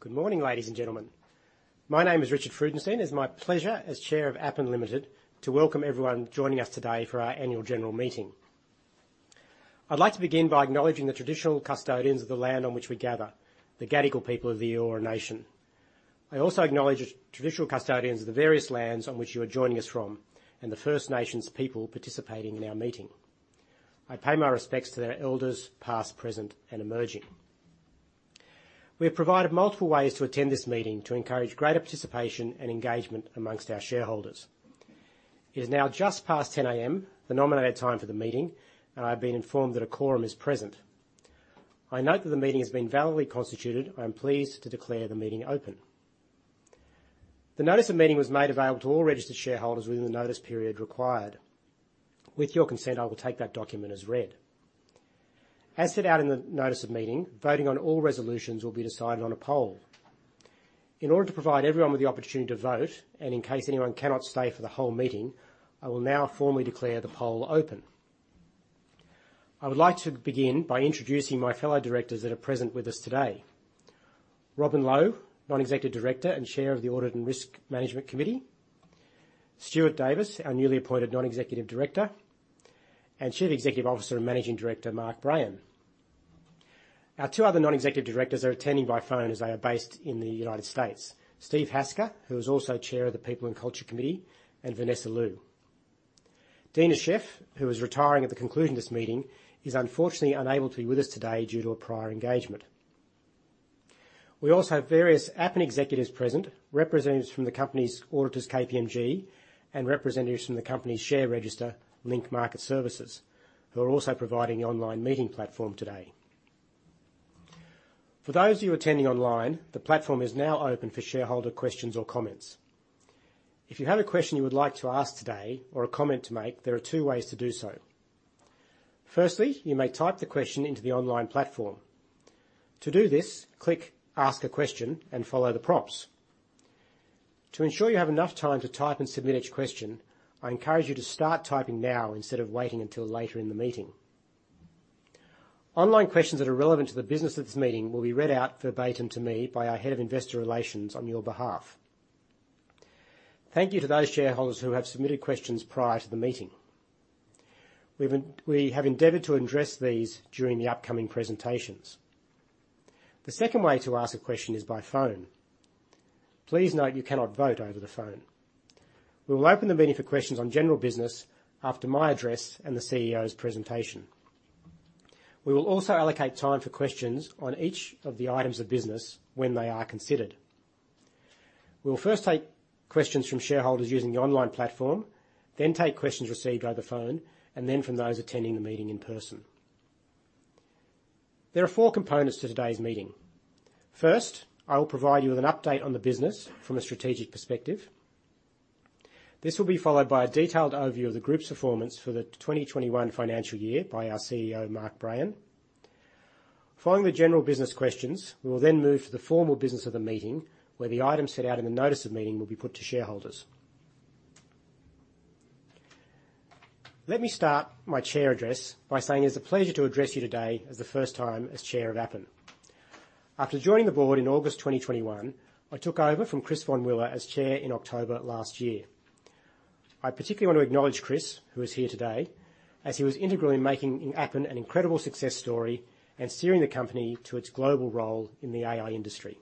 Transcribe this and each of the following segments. Good morning, ladies and gentlemen. My name is Richard Freudenstein. It is my pleasure as Chair of Appen Limited to welcome everyone joining us today for our annual general meeting. I'd like to begin by acknowledging the traditional custodians of the land on which we gather, the Gadigal people of the Eora Nation. I also acknowledge the traditional custodians of the various lands on which you are joining us from, and the First Nations people participating in our meeting. I pay my respects to their elders, past, present, and emerging. We have provided multiple ways to attend this meeting to encourage greater participation and engagement among our shareholders. It is now just past 10:00 A.M., the nominated time for the meeting, and I have been informed that a quorum is present. I note that the meeting has been validly constituted. I am pleased to declare the meeting open. The notice of meeting was made available to all registered shareholders within the notice period required. With your consent, I will take that document as read. As set out in the notice of meeting, voting on all resolutions will be decided on a poll. In order to provide everyone with the opportunity to vote, and in case anyone cannot stay for the whole meeting, I will now formally declare the poll open. I would like to begin by introducing my fellow Directors that are present with us today. Robin Low, Non-Executive Director and Chair of the Audit and Risk Management Committee. Stuart Davis, our newly appointed Non-Executive Director, and Chief Executive Officer and Managing Director, Mark Brayan. Our two other Non-Executive Directors are attending by phone as they are based in the United States. Steve Hasker, who is also Chair of the People and Culture Committee, and Vanessa Liu. Deena Shiff, who is retiring at the conclusion of this meeting, is unfortunately unable to be with us today due to a prior engagement. We also have various Appen executives present, representatives from the company's auditors, KPMG, and representatives from the company's share register, Link Market Services, who are also providing the online meeting platform today. For those of you attending online, the platform is now open for shareholder questions or comments. If you have a question you would like to ask today or a comment to make, there are two ways to do so. Firstly, you may type the question into the online platform. To do this, click Ask a Question and follow the prompts. To ensure you have enough time to type and submit each question, I encourage you to start typing now instead of waiting until later in the meeting. Online questions that are relevant to the business of this meeting will be read out verbatim to me by our Head of Investor Relations on your behalf. Thank you to those shareholders who have submitted questions prior to the meeting. We have endeavored to address these during the upcoming presentations. The second way to ask a question is by phone. Please note you cannot vote over the phone. We will open the meeting for questions on general business after my address and the CEO's presentation. We will also allocate time for questions on each of the items of business when they are considered. We will first take questions from shareholders using the online platform, then take questions received by the phone, and then from those attending the meeting in person. There are four components to today's meeting. First, I will provide you with an update on the business from a strategic perspective. This will be followed by a detailed overview of the group's performance for the 2021 financial year by our CEO, Mark Brayan. Following the general business questions, we will then move to the formal business of the meeting, where the items set out in the notice of meeting will be put to shareholders. Let me start my Chair address by saying it's a pleasure to address you today as the first time as Chair of Appen. After joining the Board in August 2021, I took over from Chris Vonwiller as Chair in October last year. I particularly want to acknowledge Chris, who is here today, as he was integral in making Appen an incredible success story and steering the company to its global role in the AI industry.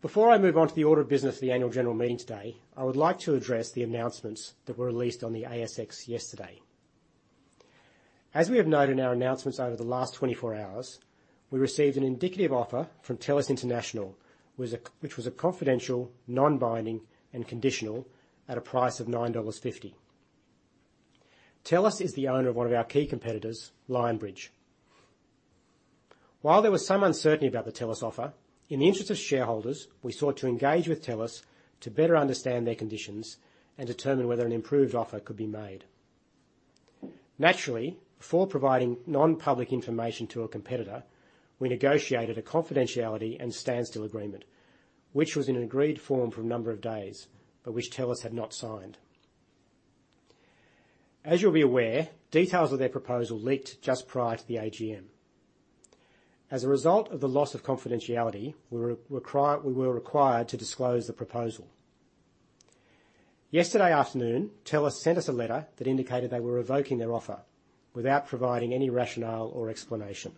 Before I move on to the order of business of the annual general meeting today, I would like to address the announcements that were released on the ASX yesterday. As we have noted in our announcements over the last 24 hours, we received an indicative offer from TELUS International, which was a confidential, non-binding, and conditional at a price of $9.50. TELUS is the owner of one of our key competitors, Lionbridge. While there was some uncertainty about the TELUS offer, in the interest of shareholders, we sought to engage with TELUS to better understand their conditions and determine whether an improved offer could be made. Naturally, before providing non-public information to a competitor, we negotiated a confidentiality and standstill agreement, which was in an agreed form for a number of days, but which TELUS had not signed. As you'll be aware, details of their proposal leaked just prior to the AGM. As a result of the loss of confidentiality, we were required to disclose the proposal. Yesterday afternoon, TELUS sent us a letter that indicated they were revoking their offer without providing any rationale or explanation.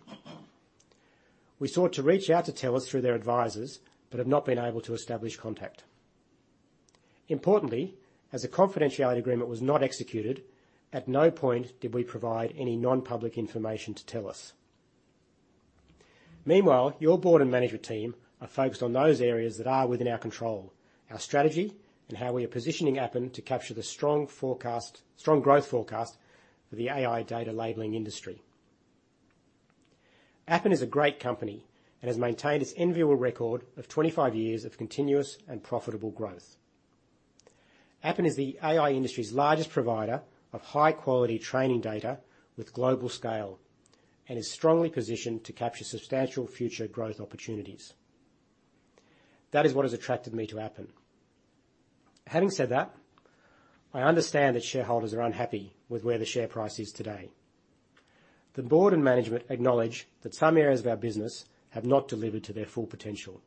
We sought to reach out to TELUS through their advisors but have not been able to establish contact. Importantly, as the confidentiality agreement was not executed, at no point did we provide any non-public information to TELUS. Meanwhile, your Board and management team are focused on those areas that are within our control, our strategy, and how we are positioning Appen to capture the strong growth forecast for the AI data labeling industry. Appen is a great company and has maintained its enviable record of 25 years of continuous and profitable growth. Appen is the AI industry's largest provider of high-quality training data with global scale and is strongly positioned to capture substantial future growth opportunities. That is what has attracted me to Appen. Having said that, I understand that shareholders are unhappy with where the share price is today. The Board and management acknowledge that some areas of our business have not delivered to their full potential.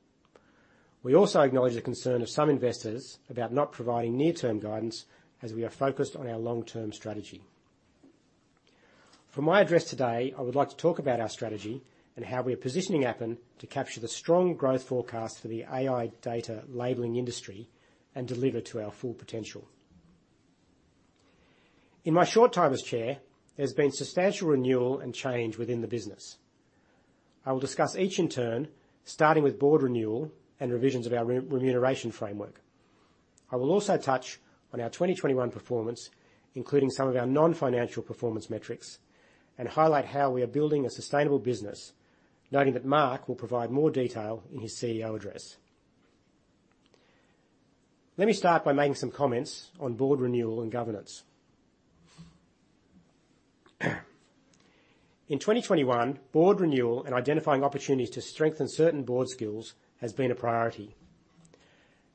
We also acknowledge the concern of some investors about not providing near-term guidance, as we are focused on our long-term strategy. For my address today, I would like to talk about our strategy and how we are positioning Appen to capture the strong growth forecast for the AI data labeling industry and deliver to our full potential. In my short time as Chair, there's been substantial renewal and change within the business. I will discuss each in turn, starting with Board renewal and revisions of our remuneration framework. I will also touch on our 2021 performance, including some of our non-financial performance metrics, and highlight how we are building a sustainable business, noting that Mark will provide more detail in his CEO address. Let me start by making some comments on Board renewal and governance. In 2021, Board renewal and identifying opportunities to strengthen certain Board skills has been a priority.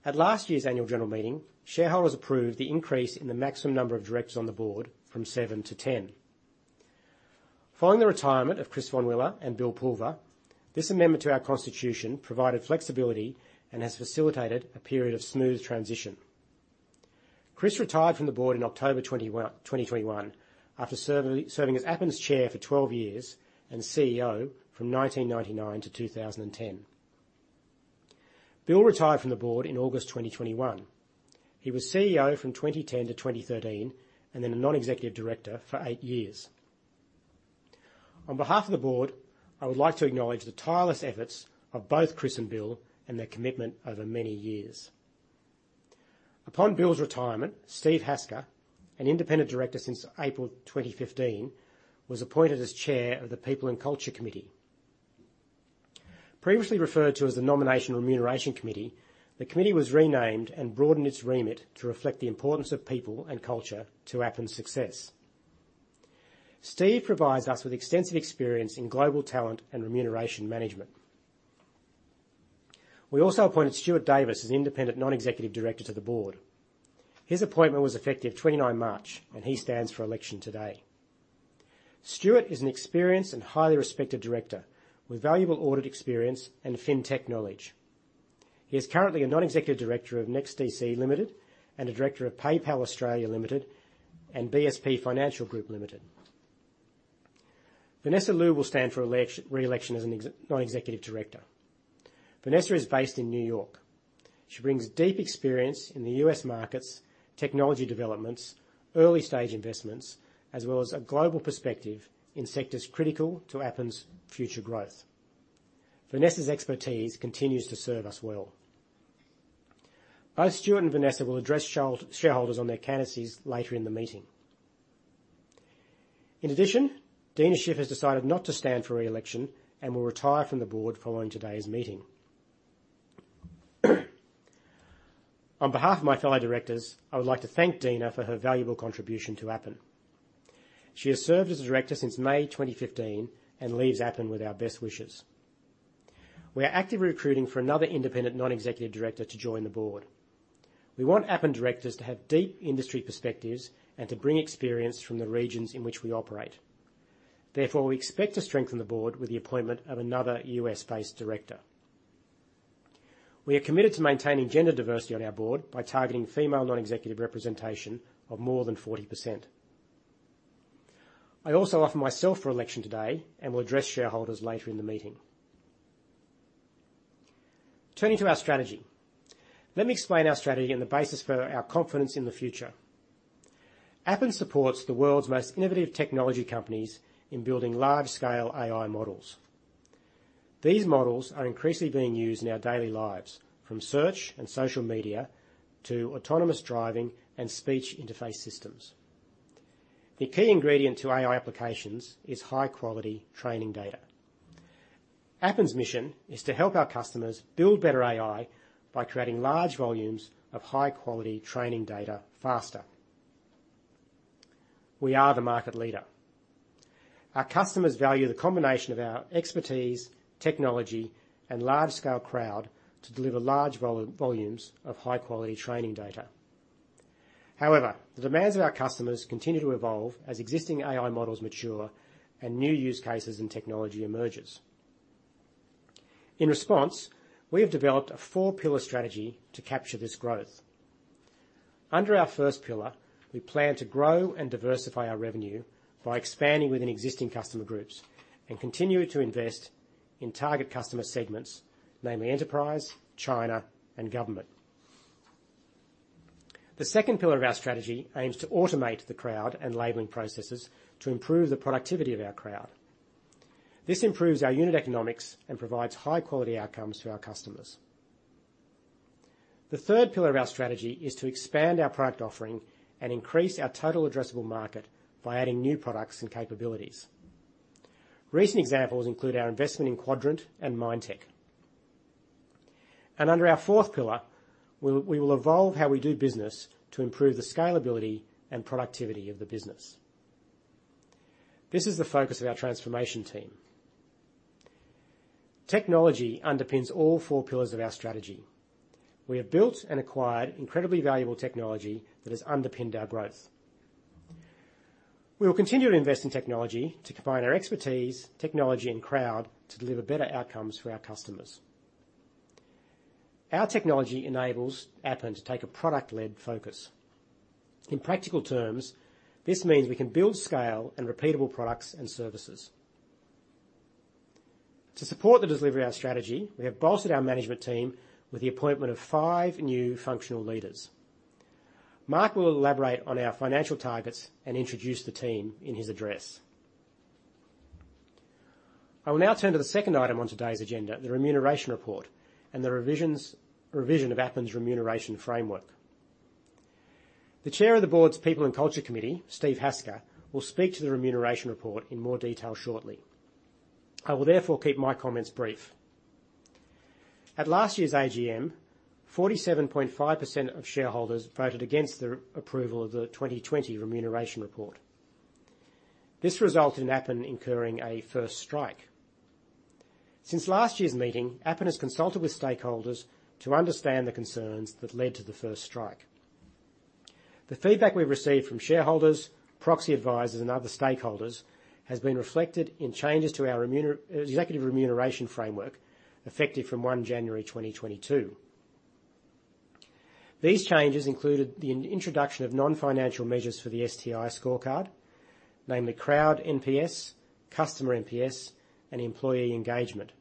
At last year's annual general meeting, shareholders approved the increase in the maximum number of Directors on the Board from seven to 10. Following the retirement of Chris Vonwiller and Bill Pulver, this amendment to our Constitution provided flexibility and has facilitated a period of smooth transition. Chris Vonwiller retired from the Board in October 2021 after serving as Appen's Chair for 12 years and CEO from 1999 to 2010. Bill Pulver retired from the Board in August 2021. He was CEO from 2010 to 2013 and then a Non-Executive Director for eight years. On behalf of the Board, I would like to acknowledge the tireless efforts of both Chris Vonwiller and Bill Pulver and their commitment over many years. Upon Bill Pulver's retirement, Steve Hasker, an independent Director since April 2015, was appointed as Chair of the People and Culture Committee. Previously referred to as the Nomination and Remuneration Committee, the committee was renamed and broadened its remit to reflect the importance of people and culture to Appen's success. Steve Hasker provides us with extensive experience in global talent and remuneration management. We also appointed Stuart Davis as independent Non-Executive Director to the Board. His appointment was effective 29 March, and he stands for election today. Stuart is an experienced and highly respected Director with valuable audit experience and fintech knowledge. He is currently a Non-Executive Director of NEXTDC Limited and a Director of PayPal Australia Pty Limited and BSP Financial Group Limited. Vanessa Liu will stand for re-election as a Non-Executive Director. Vanessa is based in New York. She brings deep experience in the U.S. markets, technology developments, early-stage investments, as well as a global perspective in sectors critical to Appen's future growth. Vanessa's expertise continues to serve us well. Both Stuart and Vanessa will address shareholders on their candidacies later in the meeting. In addition, Deena Shiff has decided not to stand for re-election and will retire from the Board following today's meeting. On behalf of my fellow Directors, I would like to thank Deena for her valuable contribution to Appen. She has served as a Director since May 2015 and leaves Appen with our best wishes. We are actively recruiting for another independent Non-Executive Director to join the Board. We want Appen Directors to have deep industry perspectives and to bring experience from the regions in which we operate. Therefore, we expect to strengthen the Board with the appointment of another U.S.-based Director. We are committed to maintaining gender diversity on our Board by targeting female Non-Executive representation of more than 40%. I also offer myself for election today and will address shareholders later in the meeting. Turning to our strategy. Let me explain our strategy and the basis for our confidence in the future. Appen supports the world's most innovative technology companies in building large-scale AI models. These models are increasingly being used in our daily lives, from search and social media to autonomous driving and speech interface systems. The key ingredient to AI applications is high-quality training data. Appen's mission is to help our customers build better AI by creating large volumes of high-quality training data faster. We are the market leader. Our customers value the combination of our expertise, technology, and large-scale crowd to deliver large volumes of high-quality training data. However, the demands of our customers continue to evolve as existing AI models mature and new use cases and technology emerges. In response, we have developed a four-pillar strategy to capture this growth. Under our first pillar, we plan to grow and diversify our revenue by expanding within existing customer groups and continue to invest in target customer segments, namely enterprise, China, and government. The second pillar of our strategy aims to automate the crowd and labeling processes to improve the productivity of our crowd. This improves our unit economics and provides high-quality outcomes to our customers. The third pillar of our strategy is to expand our product offering and increase our total addressable market by adding new products and capabilities. Recent examples include our investment in Quadrant and Mindtech. Under our fourth pillar, we will evolve how we do business to improve the scalability and productivity of the business. This is the focus of our transformation team. Technology underpins all four pillars of our strategy. We have built and acquired incredibly valuable technology that has underpinned our growth. We will continue to invest in technology to combine our expertise, technology, and crowd to deliver better outcomes for our customers. Our technology enables Appen to take a product-led focus. In practical terms, this means we can build scale and repeatable products and services. To support the delivery of our strategy, we have bolstered our management team with the appointment of five new functional leaders. Mark will elaborate on our financial targets and introduce the team in his address. I will now turn to the second item on today's agenda, the remuneration report and the revision of Appen's remuneration framework. The Chair of the Board's People and Culture Committee, Steve Hasker, will speak to the remuneration report in more detail shortly. I will therefore keep my comments brief. At last year's AGM, 47.5% of shareholders voted against the approval of the 2020 remuneration report. This resulted in Appen incurring a first strike. Since last year's meeting, Appen has consulted with stakeholders to understand the concerns that led to the first strike. The feedback we've received from shareholders, proxy advisors, and other stakeholders has been reflected in changes to our executive remuneration framework effective from January 1, 2022. These changes included the introduction of non-financial measures for the STI scorecard, namely crowd NPS, customer NPS, and employee engagement.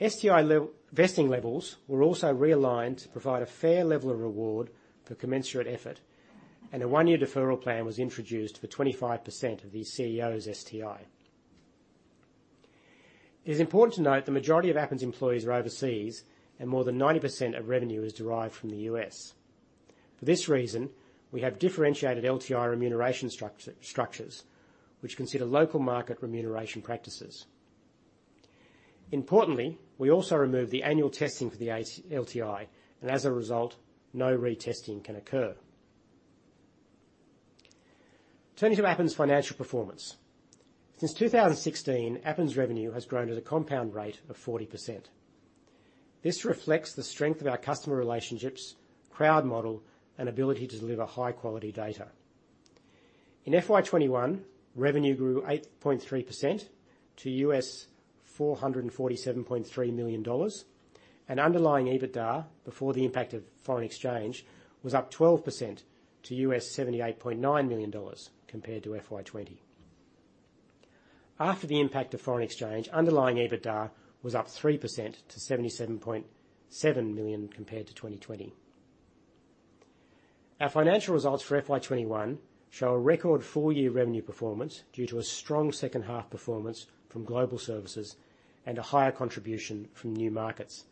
STI vesting levels were also realigned to provide a fair level of reward for commensurate effort, and a one-year deferral plan was introduced for 25% of the CEO's STI. It is important to note the majority of Appen's employees are overseas and more than 90% of revenue is derived from the US. For this reason, we have differentiated LTI remuneration structures which consider local market remuneration practices. Importantly, we also removed the annual testing for the LTI, and as a result, no retesting can occur. Turning to Appen's financial performance. Since 2016, Appen's revenue has grown at a compound rate of 40%. This reflects the strength of our customer relationships, crowd model, and ability to deliver high-quality data. In FY 2021, revenue grew 8.3% to $447.3 million. Underlying EBITDA, before the impact of foreign exchange, was up 12% to $78.9 million compared to FY 2020. After the impact of foreign exchange, underlying EBITDA was up 3% to $77.7 million compared to 2020. Our financial results for FY 2021 show a record full-year revenue performance due to a strong second half performance from global services and a higher contribution from new markets,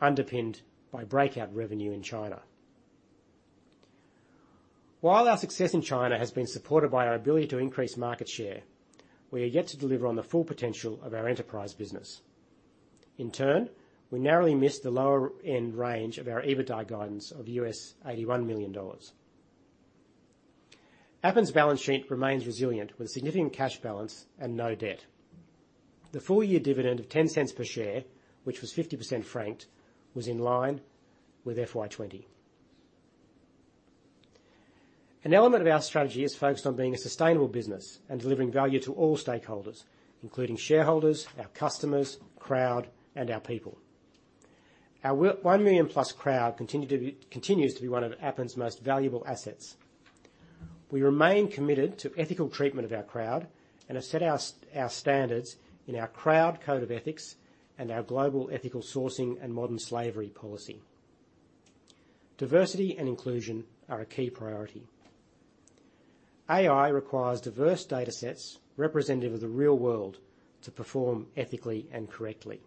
underpinned by breakout revenue in China. While our success in China has been supported by our ability to increase market share, we are yet to deliver on the full potential of our enterprise business. In turn, we narrowly missed the lower end range of our EBITDA guidance of $81 million. Appen's balance sheet remains resilient with significant cash balance and no debt. The full-year dividend of $0.10 per share, which was 50% franked, was in line with FY 2020. An element of our strategy is focused on being a sustainable business and delivering value to all stakeholders, including shareholders, our customers, crowd, and our people. Our 1 million+ crowd continues to be one of Appen's most valuable assets. We remain committed to ethical treatment of our crowd and have set our standards in our crowd code of ethics and our global ethical sourcing and modern slavery policy. Diversity and inclusion are a key priority. AI requires diverse datasets representative of the real world to perform ethically and correctly.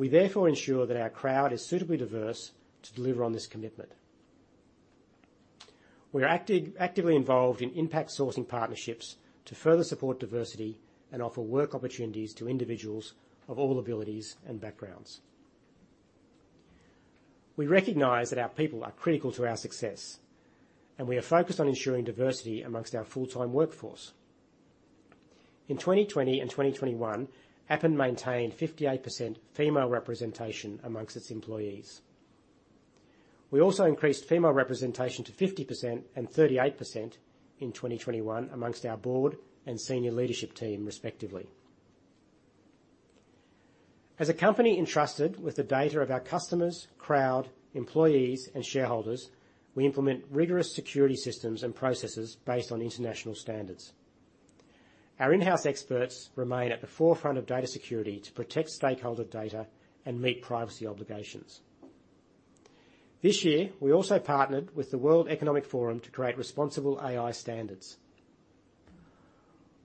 We therefore ensure that our crowd is suitably diverse to deliver on this commitment. We're actively involved in impact sourcing partnerships to further support diversity and offer work opportunities to individuals of all abilities and backgrounds. We recognize that our people are critical to our success, and we are focused on ensuring diversity amongst our full-time workforce. In 2020 and 2021, Appen maintained 58% female representation amongst its employees. We also increased female representation to 50% and 38% in 2021 amongst our Board and senior leadership team, respectively. As a company entrusted with the data of our customers, crowd, employees, and shareholders, we implement rigorous security systems and processes based on international standards. Our in-house experts remain at the forefront of data security to protect stakeholder data and meet privacy obligations. This year, we also partnered with the World Economic Forum to create responsible AI standards.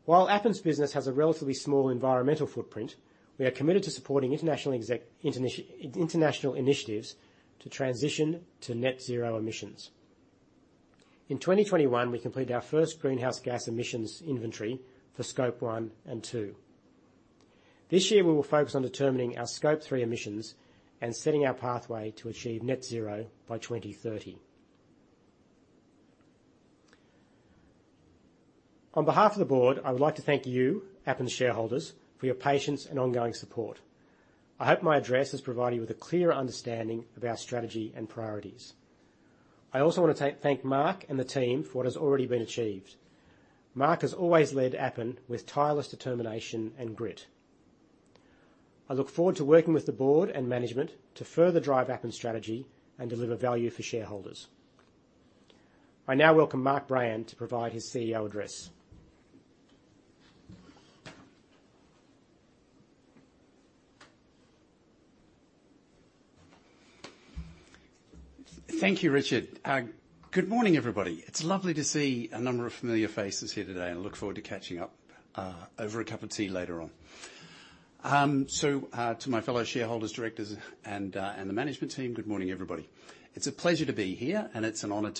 While Appen's business has a relatively small environmental footprint, we are committed to supporting international initiatives to transition to net zero emissions. In 2021, we completed our first greenhouse gas emissions inventory for Scope 1 and 2. This year, we will focus on determining our Scope 3 emissions and setting our pathway to achieve net zero by 2030. On behalf of the Board, I would like to thank you, Appen shareholders, for your patience and ongoing support. I hope my address has provided you with a clear understanding of our strategy and priorities. I also want to thank Mark and the team for what has already been achieved. Mark has always led Appen with tireless determination and grit. I look forward to working with the Board and management to further drive Appen's strategy and deliver value for shareholders. I now welcome Mark Brayan to provide his CEO address. Thank you, Richard. Good morning, everybody. It's lovely to see a number of familiar faces here today, and I look forward to catching up over a cup of tea later on. To my fellow shareholders, Directors, and the management team, good morning, everybody. It's a pleasure to be here, and privileged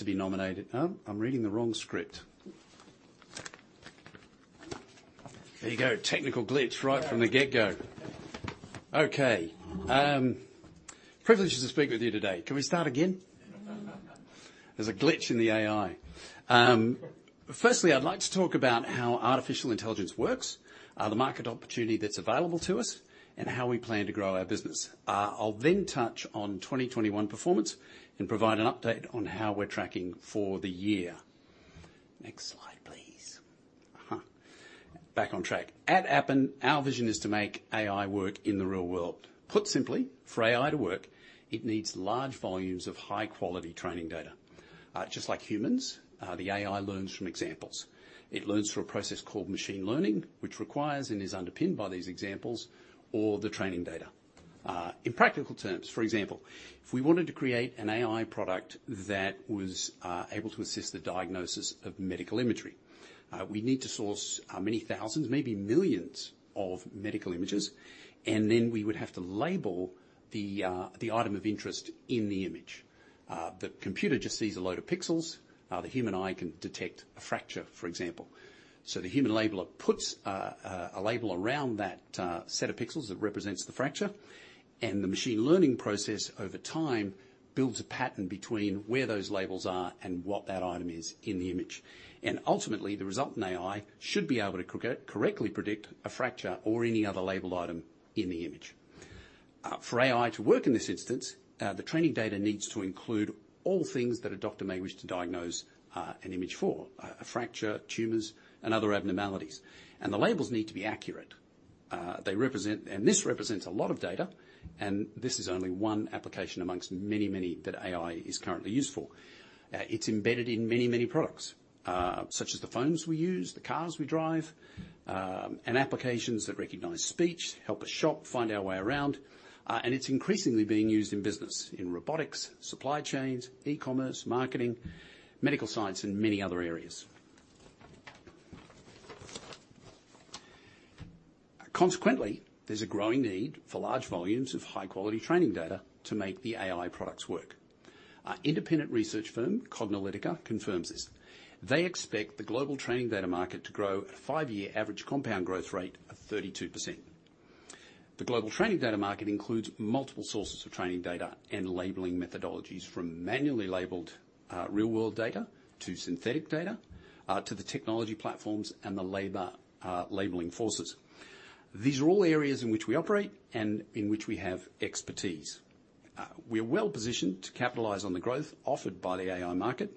to speak with you today. Can we start again? There's a glitch in the AI. Firstly, I'd like to talk about how artificial intelligence works, the market opportunity that's available to us, and how we plan to grow our business. I'll then touch on 2021 performance and provide an update on how we're tracking for the year. Next slide, please. Aha, back on track. At Appen, our vision is to make AI work in the real world. Put simply, for AI to work, it needs large volumes of high-quality training data. Just like humans, the AI learns from examples. It learns through a process called machine learning, which requires and is underpinned by these examples or the training data. In practical terms, for example, if we wanted to create an AI product that was able to assist the diagnosis of medical imagery, we need to source many thousands, maybe millions of medical images, and then we would have to label the item of interest in the image. The computer just sees a load of pixels. The human eye can detect a fracture, for example. The human labeler puts a label around that set of pixels that represents the fracture, and the machine learning process over time builds a pattern between where those labels are and what that item is in the image. Ultimately, the resultant AI should be able to correctly predict a fracture or any other labeled item in the image. For AI to work in this instance, the training data needs to include all things that a doctor may wish to diagnose an image for, a fracture, tumors, and other abnormalities. The labels need to be accurate. They represent and this represents a lot of data, and this is only one application amongst many, many that AI is currently used for. It's embedded in many, many products, such as the phones we use, the cars we drive, and applications that recognize speech, help us shop, find our way around. It's increasingly being used in business, in robotics, supply chains, e-commerce, marketing, medical science, and many other areas. Consequently, there's a growing need for large volumes of high-quality training data to make the AI products work. Our independent research firm, Cognilytica, confirms this. They expect the global training data market to grow at a five-year average compound growth rate of 32%. The global training data market includes multiple sources of training data and labeling methodologies from manually labeled, real-world data to synthetic data, to the technology platforms and the labor, labeling forces. These are all areas in which we operate and in which we have expertise. We are well-positioned to capitalize on the growth offered by the AI market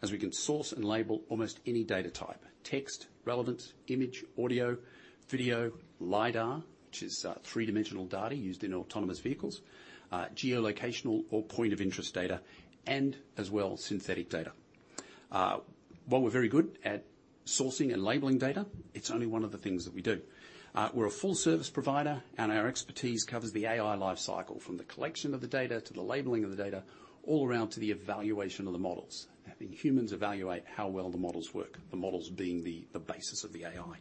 as we can source and label almost any data type: text, relevance, image, audio, video, LiDAR, which is three-dimensional data used in autonomous vehicles, geolocational or point of interest data, and as well, synthetic data. While we're very good at sourcing and labeling data, it's only one of the things that we do. We're a full service provider, and our expertise covers the AI life cycle, from the collection of the data to the labeling of the data, all around to the evaluation of the models. Having humans evaluate how well the models work, the models being the basis of the AI.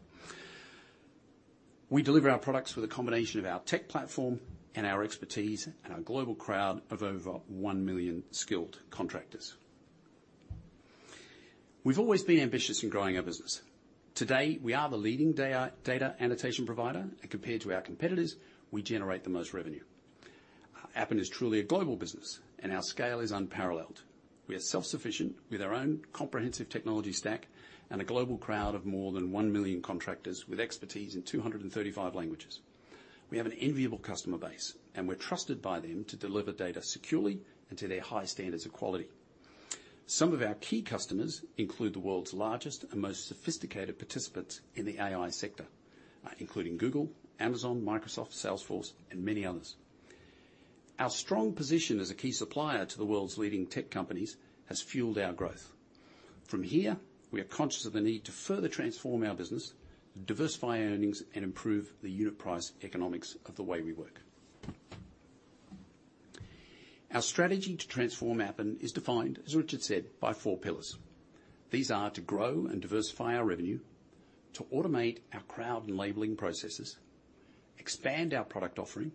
We deliver our products with a combination of our tech platform and our expertise and our global crowd of over 1 million skilled contractors. We've always been ambitious in growing our business. Today, we are the leading data annotation provider, and compared to our competitors, we generate the most revenue. Appen is truly a global business, and our scale is unparalleled. We are self-sufficient with our own comprehensive technology stack and a global crowd of more than 1 million contractors with expertise in 235 languages. We have an enviable customer base, and we're trusted by them to deliver data securely and to their high standards of quality. Some of our key customers include the world's largest and most sophisticated participants in the AI sector, including Google, Amazon, Microsoft, Salesforce, and many others. Our strong position as a key supplier to the world's leading tech companies has fueled our growth. From here, we are conscious of the need to further transform our business, diversify earnings, and improve the unit price economics of the way we work. Our strategy to transform Appen is defined, as Richard said, by four pillars. These are to grow and diversify our revenue, to automate our crowd and labeling processes, expand our product offering,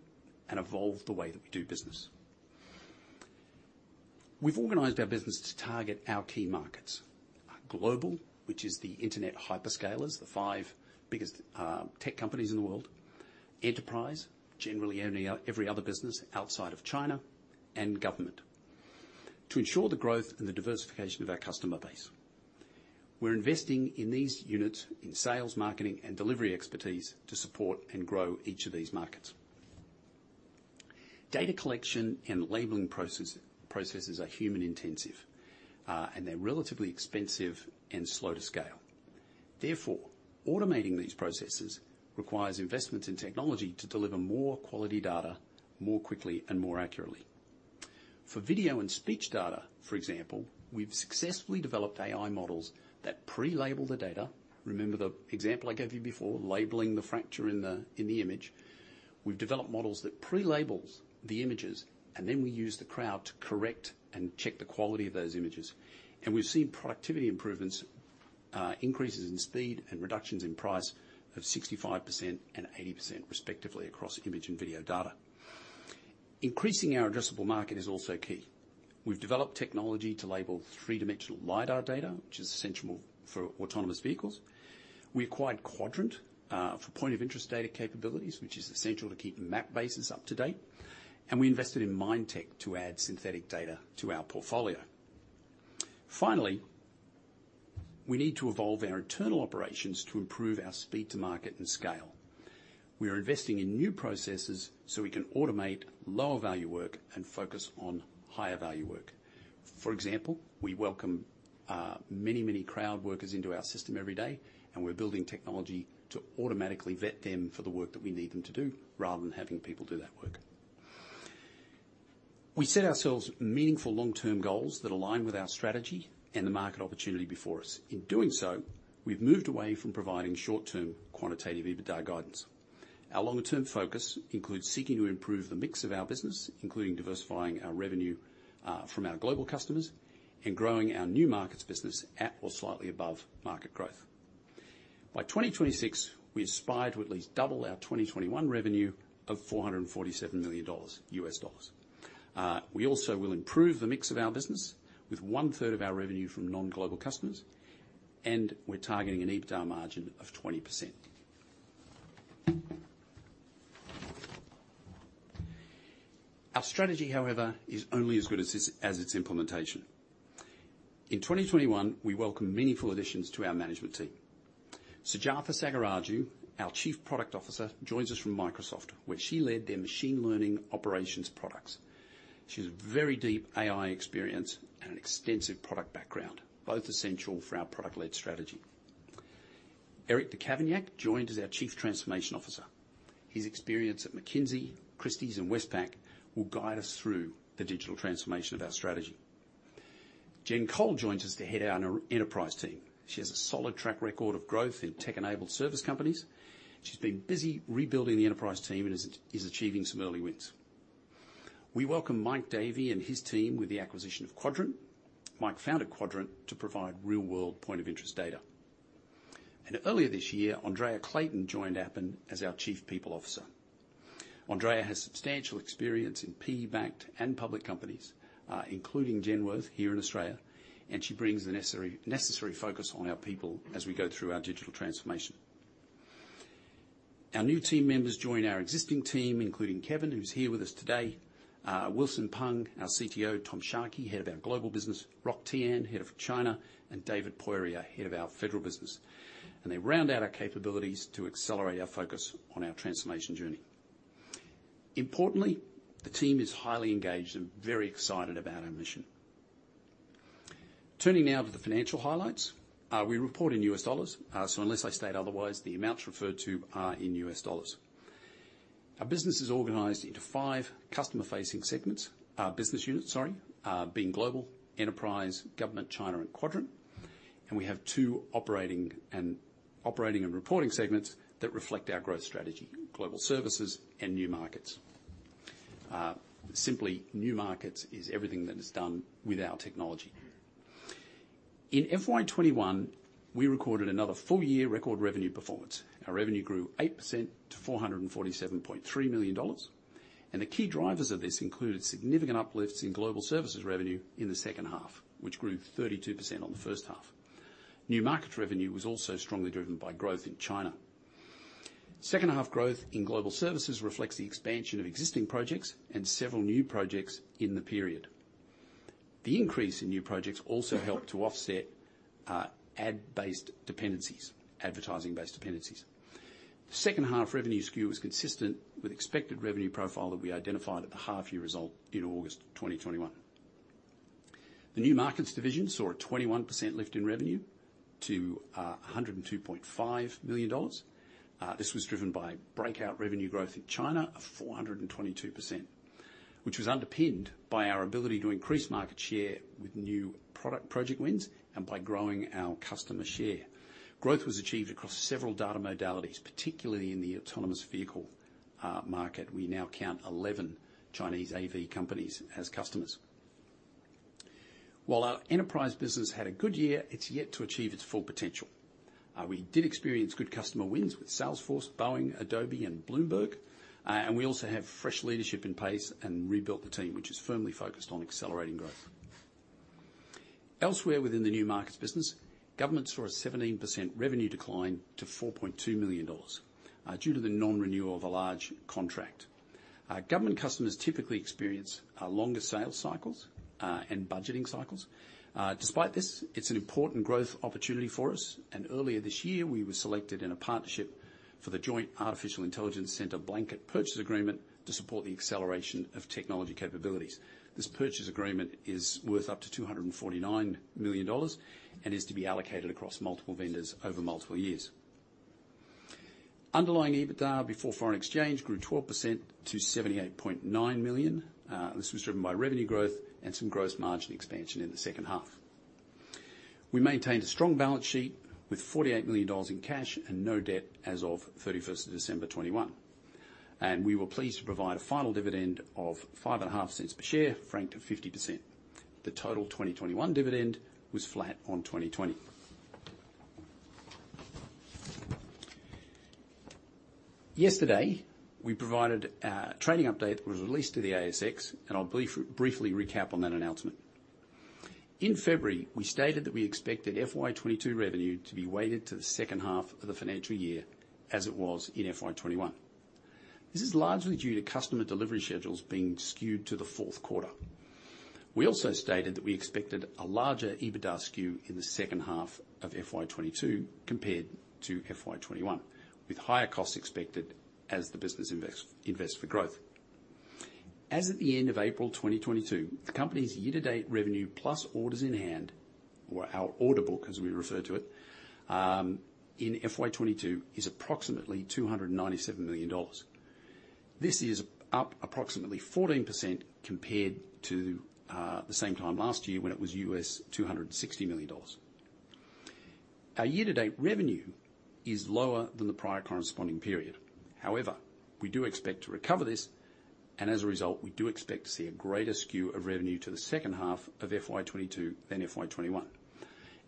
and evolve the way that we do business. We've organized our business to target our key markets. Our global, which is the internet hyperscalers, the five biggest tech companies in the world. Enterprise, generally only every other business outside of China, and government. To ensure the growth and the diversification of our customer base, we're investing in these units in sales, marketing, and delivery expertise to support and grow each of these markets. Data collection and labeling processes are human intensive, and they're relatively expensive and slow to scale. Therefore, automating these processes requires investments in technology to deliver more quality data more quickly and more accurately. For video and speech data, for example, we've successfully developed AI models that pre-label the data. Remember the example I gave you before, labeling the fracture in the image. We've developed models that pre-labels the images, and then we use the crowd to correct and check the quality of those images. We've seen productivity improvements, increases in speed and reductions in price of 65% and 80% respectively across image and video data. Increasing our addressable market is also key. We've developed technology to label three-dimensional LiDAR data, which is essential for autonomous vehicles. We acquired Quadrant for point of interest data capabilities, which is essential to keep map bases up to date. We invested in Mindtech to add synthetic data to our portfolio. Finally, we need to evolve our internal operations to improve our speed to market and scale. We are investing in new processes so we can automate lower value work and focus on higher value work. For example, we welcome many crowd workers into our system every day, and we're building technology to automatically vet them for the work that we need them to do rather than having people do that work. We set ourselves meaningful long-term goals that align with our strategy and the market opportunity before us. In doing so, we've moved away from providing short-term quantitative EBITDA guidance. Our longer-term focus includes seeking to improve the mix of our business, including diversifying our revenue from our global customers, and growing our new markets business at or slightly above market growth. By 2026, we aspire to at least double our 2021 revenue of $447 million. We also will improve the mix of our business with one-third of our revenue from non-global customers, and we're targeting an EBITDA margin of 20%. Our strategy, however, is only as good as its implementation. In 2021, we welcome meaningful additions to our management team. Sujatha Sagiraju, our Chief Product Officer, joins us from Microsoft, where she led their machine learning operations products. She has very deep AI experience and an extensive product background, both essential for our product-led strategy. Eric De Cavaignac joined as our Chief Transformation Officer. His experience at McKinsey & Company, Christie's and Westpac will guide us through the digital transformation of our strategy. Jen Cole joins us to head our enterprise team. She has a solid track record of growth in tech-enabled service companies. She's been busy rebuilding the enterprise team and is achieving some early wins. We welcome Mike Davey and his team with the acquisition of Quadrant. Mike founded Quadrant to provide real-world point of interest data. Earlier this year, Andrea Clayton joined Appen as our Chief People Officer. Andrea has substantial experience in PE-backed and public companies, including Genworth here in Australia, and she brings the necessary focus on our people as we go through our digital transformation. Our new team members join our existing team, including Kevin, who's here with us today, Wilson Pang, our CTO, Tom Sharkey, Head of our Global Business, Roc Tian, Head of China, and David Poirier, Head of our Federal business. They round out our capabilities to accelerate our focus on our transformation journey. Importantly, the team is highly engaged and very excited about our mission. Turning now to the financial highlights. We report in U.S. dollars, so unless I state otherwise, the amounts referred to are in U.S. Dollars. Our business is organized into five customer-facing business units, sorry, being global, enterprise, government, China, and Quadrant. We have two operating and reporting segments that reflect our growth strategy, global services and new markets. Simply new markets is everything that is done with our technology. In FY 2021, we recorded another full-year record revenue performance. Our revenue grew 8% to $447.3 million. The key drivers of this included significant uplifts in global services revenue in the second half, which grew 32% on the first half. New market revenue was also strongly driven by growth in China. Second half growth in global services reflects the expansion of existing projects and several new projects in the period. The increase in new projects also helped to offset advertising-based dependencies. The second half revenue skew is consistent with expected revenue profile that we identified at the half year result in August 2021. The new markets division saw a 21% lift in revenue to $102.5 million. This was driven by breakout revenue growth in China of 422%, which was underpinned by our ability to increase market share with new product project wins and by growing our customer share. Growth was achieved across several data modalities, particularly in the autonomous vehicle market. We now count 11 Chinese AV companies as customers. While our enterprise business had a good year, it's yet to achieve its full potential. We did experience good customer wins with Salesforce, Boeing, Adobe, and Bloomberg. We also have fresh leadership in place and rebuilt the team, which is firmly focused on accelerating growth. Elsewhere within the new markets business, governments saw a 17% revenue decline to $4.2 million, due to the non-renewal of a large contract. Government customers typically experience longer sales cycles and budgeting cycles. Despite this, it's an important growth opportunity for us, and earlier this year, we were selected in a partnership for the Joint Artificial Intelligence Center Blanket Purchase Agreement to support the acceleration of technology capabilities. This purchase agreement is worth up to $249 million and is to be allocated across multiple vendors over multiple years. Underlying EBITDA before foreign exchange grew 12% to $78.9 million. This was driven by revenue growth and some gross margin expansion in the second half. We maintained a strong balance sheet with $48 million in cash and no debt as of 31st December 2021. We were pleased to provide a final dividend of $0.055 per share, franked at 50%. The total 2021 dividend was flat on 2020. Yesterday, we provided a trading update that was released to the ASX, and I'll briefly recap on that announcement. In February, we stated that we expected FY 2022 revenue to be weighted to the second half of the financial year as it was in FY 2021. This is largely due to customer delivery schedules being skewed to the fourth quarter. We also stated that we expected a larger EBITDA skew in the second half of FY 2022 compared to FY 2021, with higher costs expected as the business invests for growth. As at the end of April 2022, the company's year-to-date revenue plus orders in hand or our order book, as we refer to it, in FY 2022 is approximately $297 million. This is up approximately 14% compared to the same time last year when it was $260 million. Our year-to-date revenue is lower than the prior corresponding period. However, we do expect to recover this, and as a result, we do expect to see a greater skew of revenue to the second half of FY 2022 than FY 2021.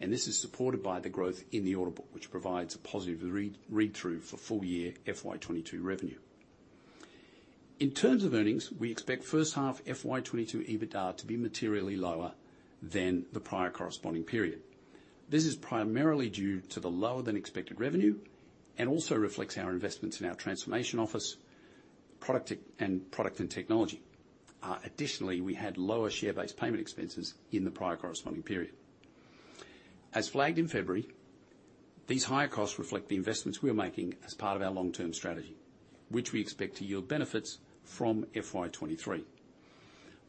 This is supported by the growth in the order book, which provides a positive read-through for full-year FY 2022 revenue. In terms of earnings, we expect first half FY 2022 EBITDA to be materially lower than the prior corresponding period. This is primarily due to the lower than expected revenue and also reflects our investments in our transformation office, product tech, and product and technology. Additionally, we had lower share-based payment expenses in the prior corresponding period. As flagged in February, these higher costs reflect the investments we are making as part of our long-term strategy, which we expect to yield benefits from FY 2023.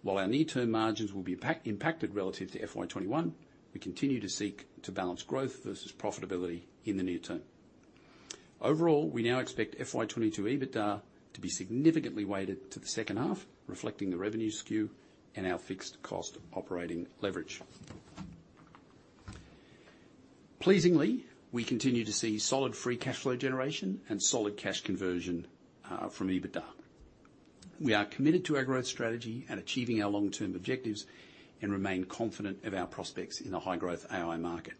While our near-term margins will be impacted relative to FY 2021, we continue to seek to balance growth versus profitability in the near term. Overall, we now expect FY 2022 EBITDA to be significantly weighted to the second half, reflecting the revenue skew and our fixed cost operating leverage. Pleasingly, we continue to see solid free cash flow generation and solid cash conversion from EBITDA. We are committed to our growth strategy and achieving our long-term objectives and remain confident of our prospects in the high-growth AI market.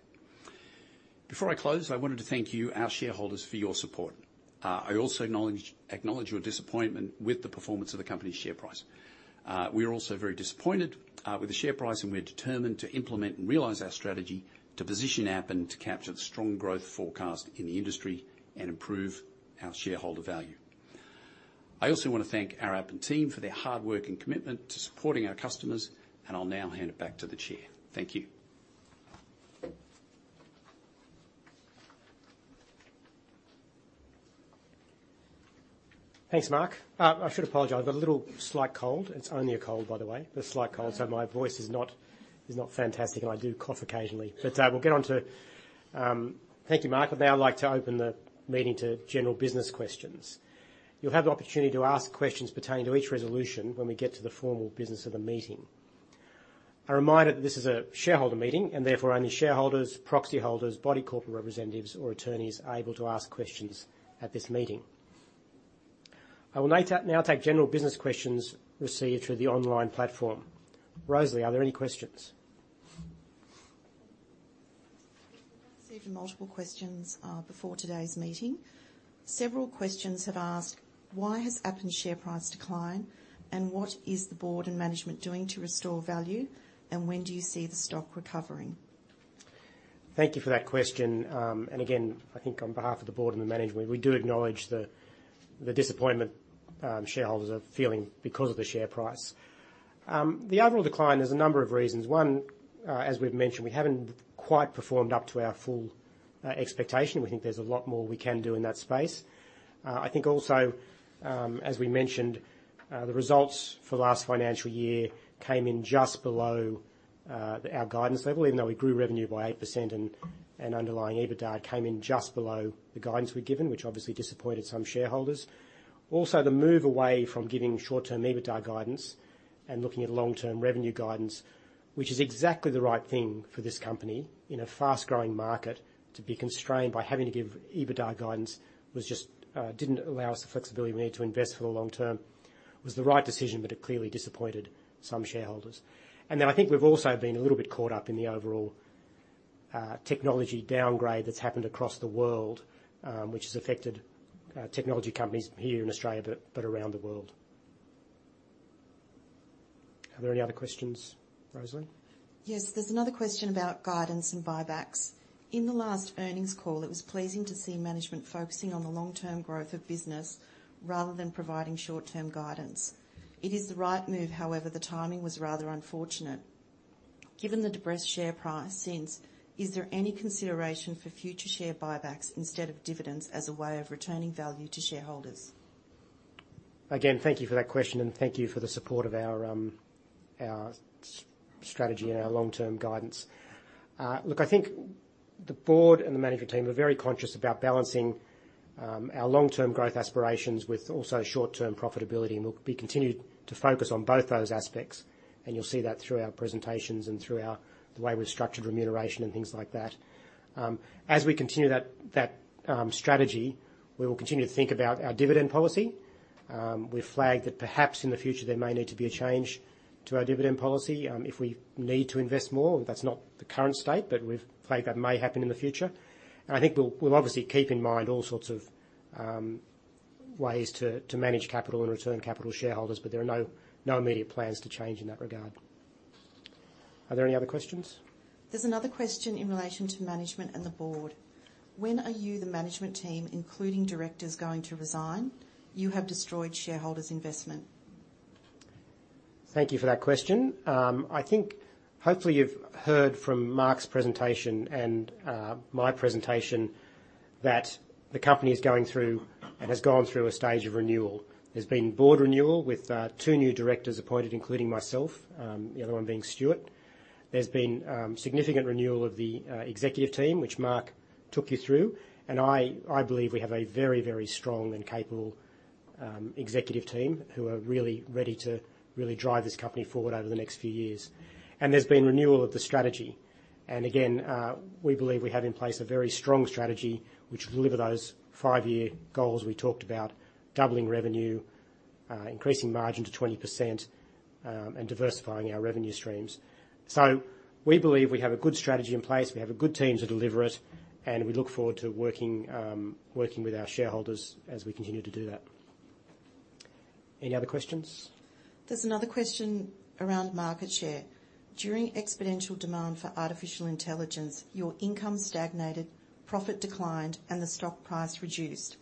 Before I close, I wanted to thank you, our shareholders, for your support. I also acknowledge your disappointment with the performance of the company's share price. We are also very disappointed with the share price, and we are determined to implement and realize our strategy to position Appen to capture the strong growth forecast in the industry and improve our shareholder value. I also wanna thank our Appen team for their hard work and commitment to supporting our customers, and I'll now hand it back to the Chair. Thank you. Thanks, Mark. I should apologize. I've got a little slight cold. It's only a cold, by the way. A slight cold, so my voice is not fantastic, and I do cough occasionally. Thank you, Mark. I'd now like to open the meeting to general business questions. You'll have the opportunity to ask questions pertaining to each resolution when we get to the formal business of the meeting. A reminder that this is a shareholder meeting, and therefore, only shareholders, proxy holders, body corporate representatives, or attorneys are able to ask questions at this meeting. I will now take general business questions received through the online platform. Rosalie, are there any questions? We've received multiple questions before today's meeting. Several questions have asked, "Why has Appen's share price declined, and what is the Board and management doing to restore value? And when do you see the stock recovering? Thank you for that question. Again, I think on behalf of the Board and the management, we do acknowledge the disappointment shareholders are feeling because of the share price. The overall decline, there's a number of reasons. One, as we've mentioned, we haven't quite performed up to our full expectation. We think there's a lot more we can do in that space. I think also, as we mentioned, the results for the last financial year came in just below our guidance level, even though we grew revenue by 8% and underlying EBITDA came in just below the guidance we'd given, which obviously disappointed some shareholders. Also, the move away from giving short-term EBITDA guidance and looking at long-term revenue guidance, which is exactly the right thing for this company. In a fast-growing market, to be constrained by having to give EBITDA guidance was just, didn't allow us the flexibility we need to invest for the long term. It was the right decision, but it clearly disappointed some shareholders. Then I think we've also been a little bit caught up in the overall, technology downgrade that's happened across the world, which has affected, technology companies here in Australia, but around the world. Are there any other questions, Rosalie? Yes. There's another question about guidance and buybacks. In the last earnings call, it was pleasing to see management focusing on the long-term growth of business rather than providing short-term guidance. It is the right move, however, the timing was rather unfortunate. Given the depressed share price since, is there any consideration for future share buybacks instead of dividends as a way of returning value to shareholders? Again, thank you for that question, and thank you for the support of our strategy and our long-term guidance. Look, I think the Board and the management team are very conscious about balancing our long-term growth aspirations with also short-term profitability, and we'll continue to focus on both those aspects, and you'll see that through our presentations and through the way we've structured remuneration and things like that. As we continue that strategy, we will continue to think about our dividend policy. We've flagged that perhaps in the future there may need to be a change to our dividend policy, if we need to invest more. That's not the current state, but we've flagged that may happen in the future. I think we'll obviously keep in mind all sorts of ways to manage capital and return capital to shareholders, but there are no immediate plans to change in that regard. Are there any other questions? There's another question in relation to management and the Board. When are you, the management team, including Directors, going to resign? You have destroyed shareholders' investment. Thank you for that question. I think hopefully you've heard from Mark's presentation and, my presentation that the company is going through and has gone through a stage of renewal. There's been Board renewal with, two new Directors appointed, including myself, the other one being Stuart. There's been, significant renewal of the, executive team, which Mark took you through. I believe we have a very, very strong and capable, executive team who are really ready to really drive this company forward over the next few years. There's been renewal of the strategy. Again, we believe we have in place a very strong strategy which will deliver those five-year goals we talked about, doubling revenue, increasing margin to 20%, and diversifying our revenue streams. We believe we have a good strategy in place. We have a good team to deliver it, and we look forward to working with our shareholders as we continue to do that. Any other questions? There's another question around market share. During exponential demand for artificial intelligence, your income stagnated, profit declined, and the stock price reduced.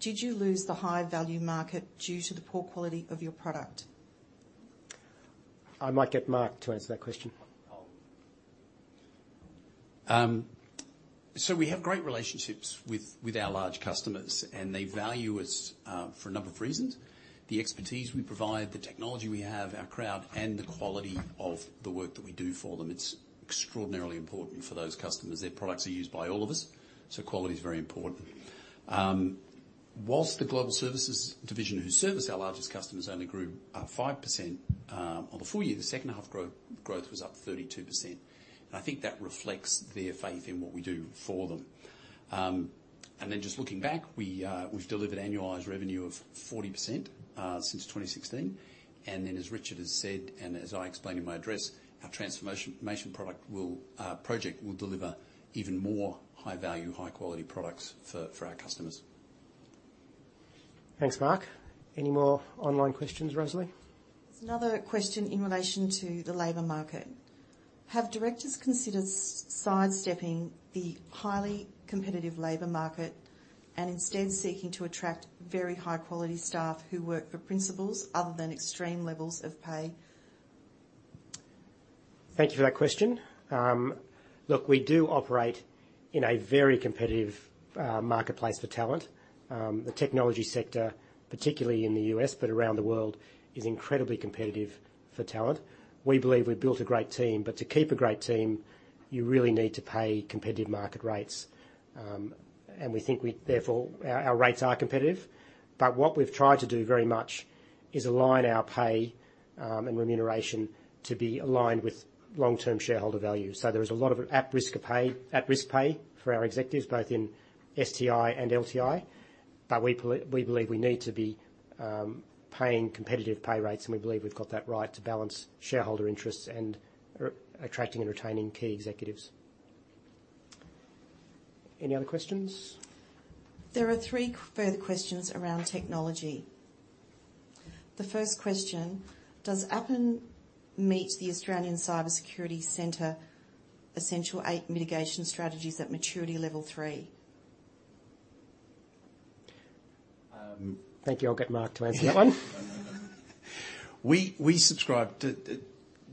Did you lose the high value market due to the poor quality of your product? I might get Mark to answer that question. We have great relationships with our large customers, and they value us for a number of reasons, the expertise we provide, the technology we have, our crowd, and the quality of the work that we do for them. It's extraordinarily important for those customers. Their products are used by all of us, so quality is very important. While the global services division who service our largest customers only grew 5% on the full year, the second half growth was up 32%. I think that reflects their faith in what we do for them. Just looking back, we've delivered annualized revenue of 40% since 2016. As Richard has said, and as I explained in my address, our transformation project will deliver even more high value, high quality products for our customers. Thanks, Mark. Any more online questions, Rosalie? There's another question in relation to the labor market. Have Directors considered sidestepping the highly competitive labor market and instead seeking to attract very high quality staff who work for principals other than extreme levels of pay? Thank you for that question. Look, we do operate in a very competitive marketplace for talent. The technology sector, particularly in the US, but around the world, is incredibly competitive for talent. We believe we've built a great team, but to keep a great team, you really need to pay competitive market rates. We think, therefore, our rates are competitive. What we've tried to do very much is align our pay and remuneration to be aligned with long-term shareholder value. There is a lot of at-risk pay for our executives, both in STI and LTI. We believe we need to be paying competitive pay rates, and we believe we've got that right to balance shareholder interests and attracting and retaining key executives. Any other questions? There are three further questions around technology. The first question. Does Appen meet the Australian Cyber Security Centre Essential Eight mitigation strategies at maturity level three? Thank you. I'll get Mark to answer that one.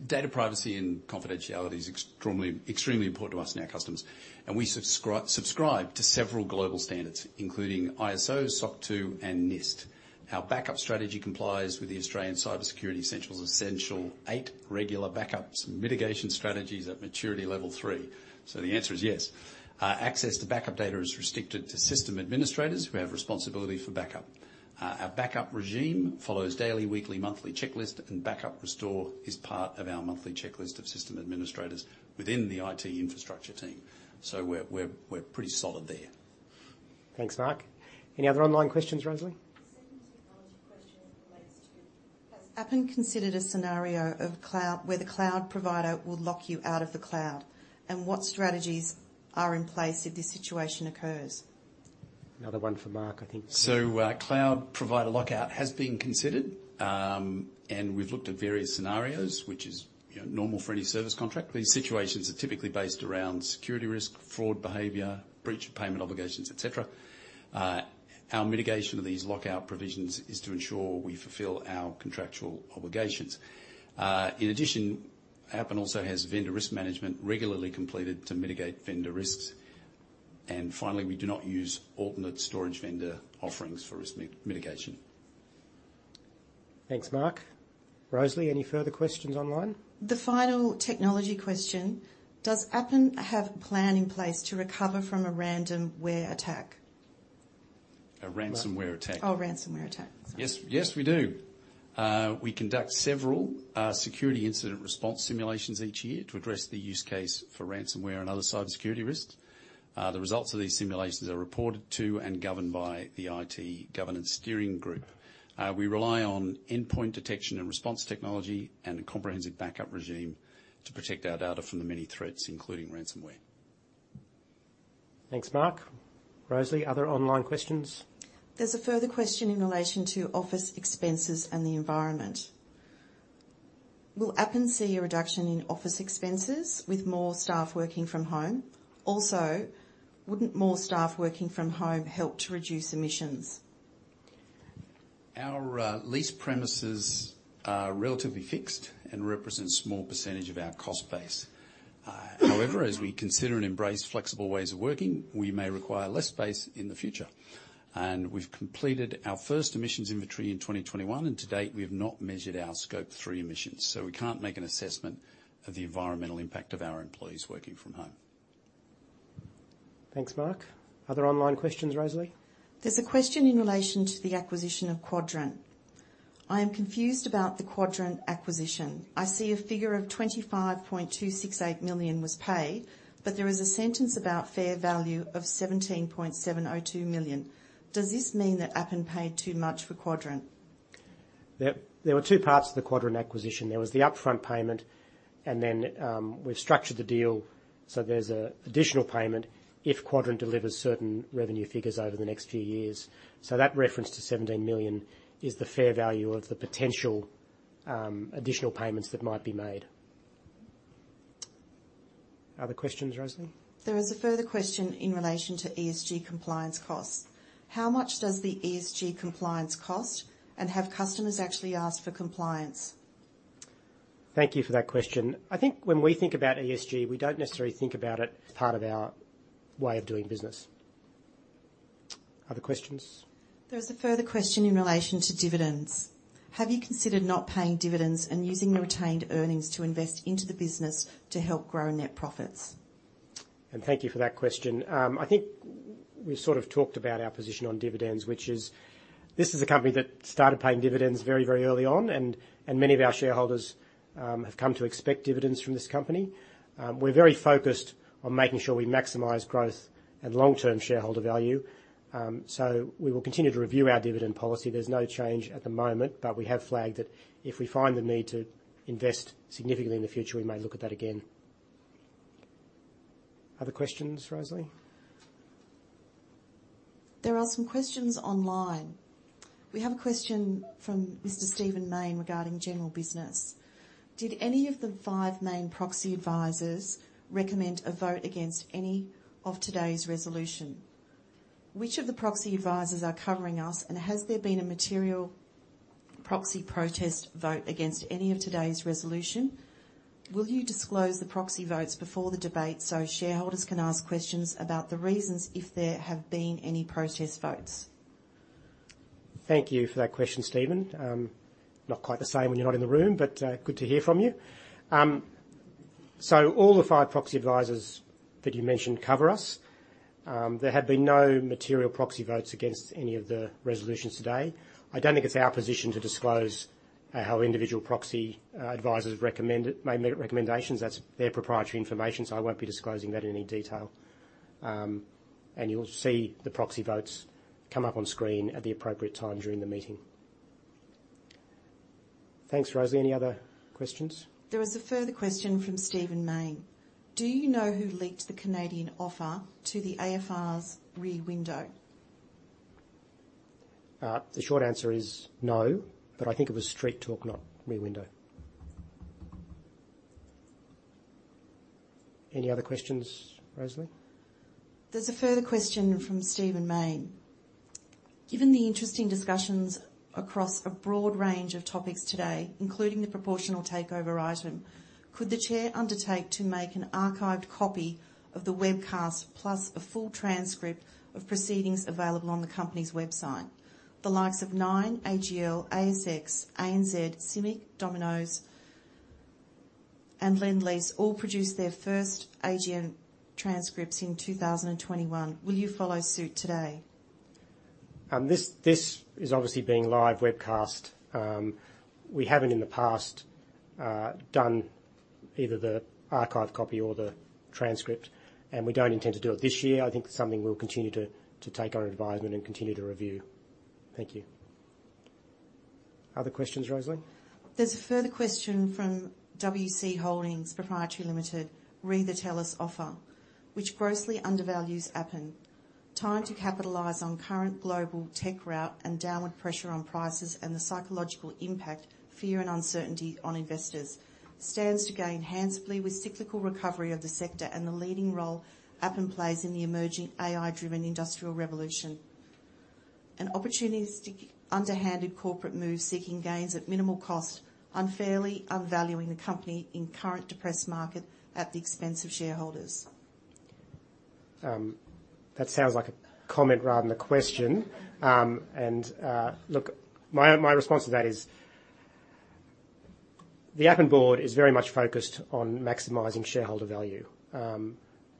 Data privacy and confidentiality is extremely important to us and our customers, and we subscribe to several global standards, including ISO, SOC 2, and NIST. Our backup strategy complies with the Essential Eight regular backups and mitigation strategies at maturity level three. The answer is yes. Access to backup data is restricted to system administrators who have responsibility for backup. Our backup regime follows daily, weekly, monthly checklist, and backup restore is part of our monthly checklist of system administrators within the IT infrastructure team. We're pretty solid there. Thanks, Mark. Any other online questions, Rosalie? The second technology question relates to, has Appen considered a scenario of cloud where the cloud provider will lock you out of the cloud? What strategies are in place if this situation occurs? Another one for Mark, I think. Cloud provider lockout has been considered. We've looked at various scenarios, which is, you know, normal for any service contract. These situations are typically based around security risk, fraud behavior, breach of payment obligations, et cetera. Our mitigation of these lockout provisions is to ensure we fulfill our contractual obligations. In addition, Appen also has vendor risk management regularly completed to mitigate vendor risks. Finally, we do not use alternate storage vendor offerings for risk mitigation. Thanks, Mark. Rosalie, any further questions online? The final technology question: Does Appen have a plan in place to recover from a ransomware attack? A ransomware attack. Oh, ransomware attack, sorry. Yes. Yes, we do. We conduct several security incident response simulations each year to address the use case for ransomware and other cybersecurity risks. The results of these simulations are reported to and governed by the IT governance steering group. We rely on endpoint detection and response technology and a comprehensive backup regime to protect our data from the many threats, including ransomware. Thanks, Mark. Rosalie, other online questions? There's a further question in relation to office expenses and the environment. Will Appen see a reduction in office expenses with more staff working from home? Also, wouldn't more staff working from home help to reduce emissions? Our leased premises are relatively fixed and represent a small percentage of our cost base. However, as we consider and embrace flexible ways of working, we may require less space in the future. We've completed our first emissions inventory in 2021, and to date, we have not measured our Scope 3 emissions, so we can't make an assessment of the environmental impact of our employees working from home. Thanks, Mark. Other online questions, Rosalie? There's a question in relation to the acquisition of Quadrant. I am confused about the Quadrant acquisition. I see a figure of $25.268 million was paid, but there is a sentence about fair value of $17.702 million. Does this mean that Appen paid too much for Quadrant? There were two parts to the Quadrant acquisition. There was the upfront payment, and then, we've structured the deal so there's an additional payment if Quadrant delivers certain revenue figures over the next few years. That reference to $17 million is the fair value of the potential, additional payments that might be made. Other questions, Rosalie? There is a further question in relation to ESG compliance costs. How much does the ESG compliance cost, and have customers actually asked for compliance? Thank you for that question. I think when we think about ESG, we don't necessarily think about it as part of our way of doing business. Other questions? There is a further question in relation to dividends. Have you considered not paying dividends and using the retained earnings to invest into the business to help grow net profits? Thank you for that question. I think we sort of talked about our position on dividends, which is this is a company that started paying dividends very, very early on, and many of our shareholders have come to expect dividends from this company. We're very focused on making sure we maximize growth and long-term shareholder value. We will continue to review our dividend policy. There's no change at the moment, but we have flagged that if we find the need to invest significantly in the future, we may look at that again. Other questions, Rosalie? There are some questions online. We have a question from Mr. Stephen Mayne regarding general business. Did any of the five main proxy advisors recommend a vote against any of today's resolution? Which of the proxy advisors are covering us, and has there been a material proxy protest vote against any of today's resolution? Will you disclose the proxy votes before the debate so shareholders can ask questions about the reasons if there have been any protest votes? Thank you for that question, Stephen. Not quite the same when you're not in the room, but good to hear from you. So all the five proxy advisors that you mentioned cover us. There have been no material proxy votes against any of the resolutions today. I don't think it's our position to disclose how individual proxy advisors recommend it, made their recommendations. That's their proprietary information, so I won't be disclosing that in any detail. You'll see the proxy votes come up on screen at the appropriate time during the meeting. Thanks, Rosalie. Any other questions? There is a further question from Stephen Mayne. Do you know who leaked the Canadian offer to the AFR's Rear Window? The short answer is no, but I think it was Street Talk, not Rear Window. Any other questions, Rosalie? There's a further question fromStephen Mayne. Given the interesting discussions across a broad range of topics today, including the proportional takeover item, could the Chair undertake to make an archived copy of the webcast plus a full transcript of proceedings available on the company's website? The likes of Nine, AGL, ASX, ANZ, CIMIC, Domino's, and Lendlease all produced their first AGM transcripts in 2021. Will you follow suit today? This is obviously being live webcast. We haven't in the past done either the archive copy or the transcript, and we don't intend to do it this year. I think something we'll continue to take on advisement and continue to review. Thank you. Other questions, Rosalie? There's a further question from WC Holdings Proprietary Limited. Re: the TELUS offer, which grossly undervalues Appen. Time to capitalize on current global tech rout and downward pressure on prices and the psychological impact, fear, and uncertainty on investors. Stands to gain handsomely with cyclical recovery of the sector and the leading role Appen plays in the emerging AI-driven industrial revolution. An opportunistic underhanded corporate move seeking gains at minimal cost, unfairly unvaluing the company in current depressed market at the expense of shareholders. That sounds like a comment rather than a question. Look, my response to that is. The Appen Board is very much focused on maximizing shareholder value.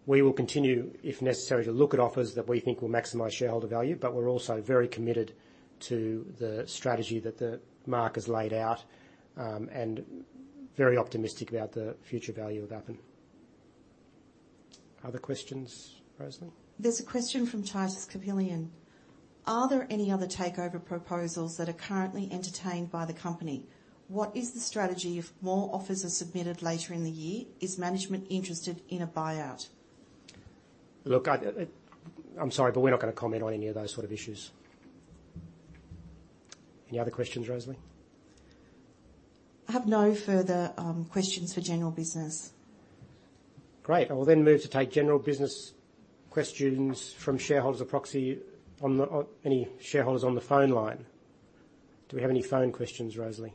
We will continue, if necessary, to look at offers that we think will maximize shareholder value, but we're also very committed to the strategy that the market has laid out, and very optimistic about the future value of Appen. Other questions, Rosalie? There's a question from Titus Capilnean. Are there any other takeover proposals that are currently entertained by the company? What is the strategy if more offers are submitted later in the year? Is management interested in a buyout? Look, I'm sorry, but we're not gonna comment on any of those sort of issues. Any other questions, Rosalie? I have no further questions for general business. Great. I will then move to take general business questions from shareholders or proxy on the phone line. Any shareholders on the phone line. Do we have any phone questions, Rosalie?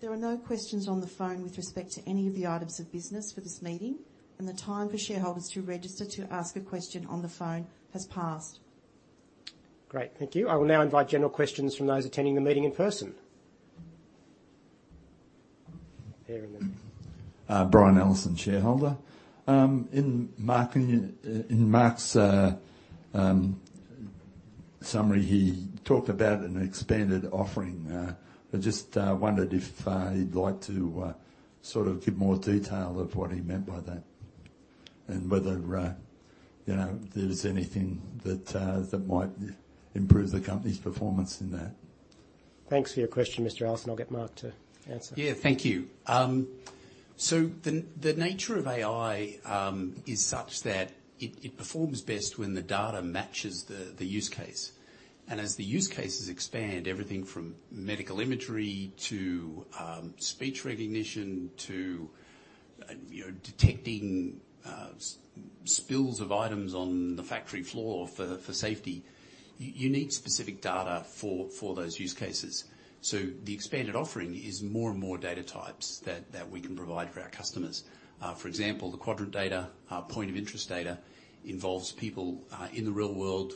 There are no questions on the phone with respect to any of the items of business for this meeting, and the time for shareholders to register to ask a question on the phone has passed. Great. Thank you. I will now invite general questions from those attending the meeting in person. Brian Allison, shareholder. In Mark's summary, he talked about an expanded offering. I just wondered if he'd like to sort of give more detail of what he meant by that and whether, you know, there's anything that might improve the company's performance in that. Thanks for your question, Mr. Allison. I'll get Mark to answer. Yeah. Thank you. The nature of AI is such that it performs best when the data matches the use case. As the use cases expand, everything from medical imagery to speech recognition to and you know detecting spills of items on the factory floor for safety, you need specific data for those use cases. The expanded offering is more and more data types that we can provide for our customers. For example, the Quadrant data, point of interest data involves people in the real world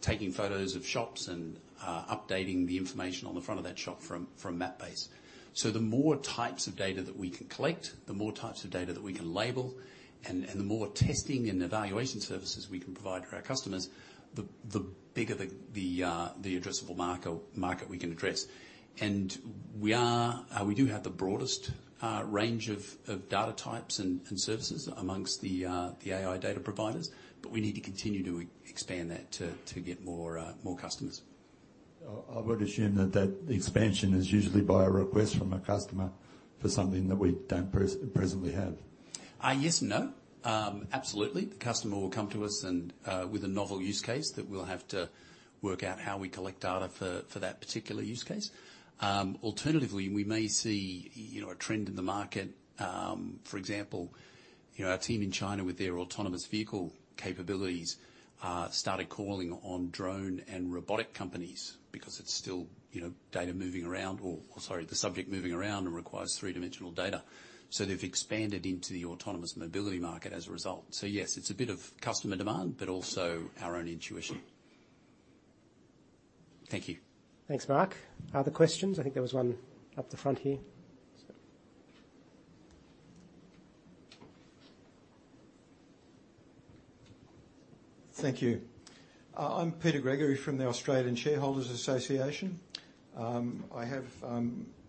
taking photos of shops and updating the information on the front of that shop from Mapbox. The more types of data that we can collect, the more types of data that we can label, and the more testing and evaluation services we can provide for our customers, the bigger the addressable market we can address. We do have the broadest range of data types and services amongst the AI data providers, but we need to continue to expand that to get more customers. I would assume that expansion is usually by a request from a customer for something that we don't presently have. Yes and no. Absolutely. The customer will come to us and with a novel use case that we'll have to work out how we collect data for that particular use case. Alternatively, we may see your trend in the market. For example, you know, our team in China with their autonomous vehicle capabilities started calling on drone and robotic companies because it's still, you know, data moving around, sorry, the subject moving around and requires three-dimensional data. They've expanded into the autonomous mobility market as a result. Yes, it's a bit of customer demand, but also our own intuition. Thank you. Thanks, Mark. Other questions? I think there was one up the front here. Thank you. I'm Peter Gregory from the Australian Shareholders' Association. I have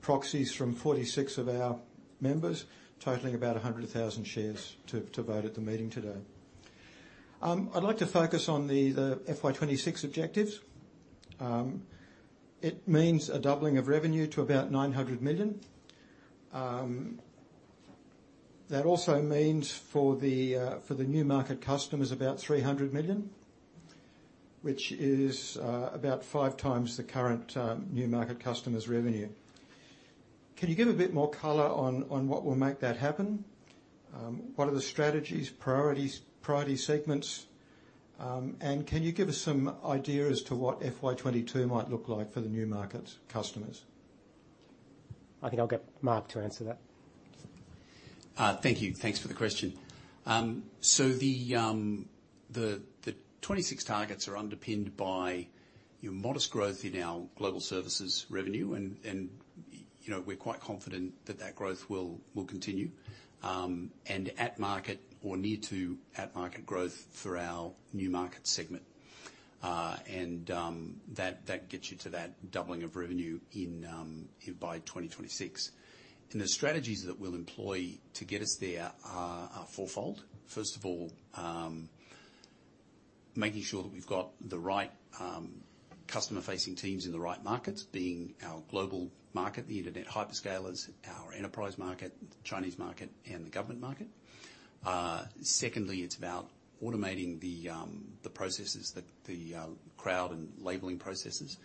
proxies from 46 of our members, totaling about 100,000 shares to vote at the meeting today. I'd like to focus on the FY 2026 objectives. It means a doubling of revenue to about $900 million. That also means for the new market customers, about $300 million, which is about five times the current new market customers revenue. Can you give a bit more color on what will make that happen? What are the strategies, priorities, priority segments? Can you give us some idea as to what FY 2022 might look like for the new market customers? I think I'll get Mark to answer that. Thank you. Thanks for the question. So the 26 targets are underpinned by your modest growth in our global services revenue and. You know, we're quite confident that that growth will continue, and at market or near to at market growth for our new market segment. That gets you to that doubling of revenue in by 2026. The strategies that we'll employ to get us there are fourfold. First of all, making sure that we've got the right customer-facing teams in the right markets, being our global market, the Internet hyperscalers, our enterprise market, Chinese market, and the government market. Secondly, it's about automating the processes, the crowd and labeling processes.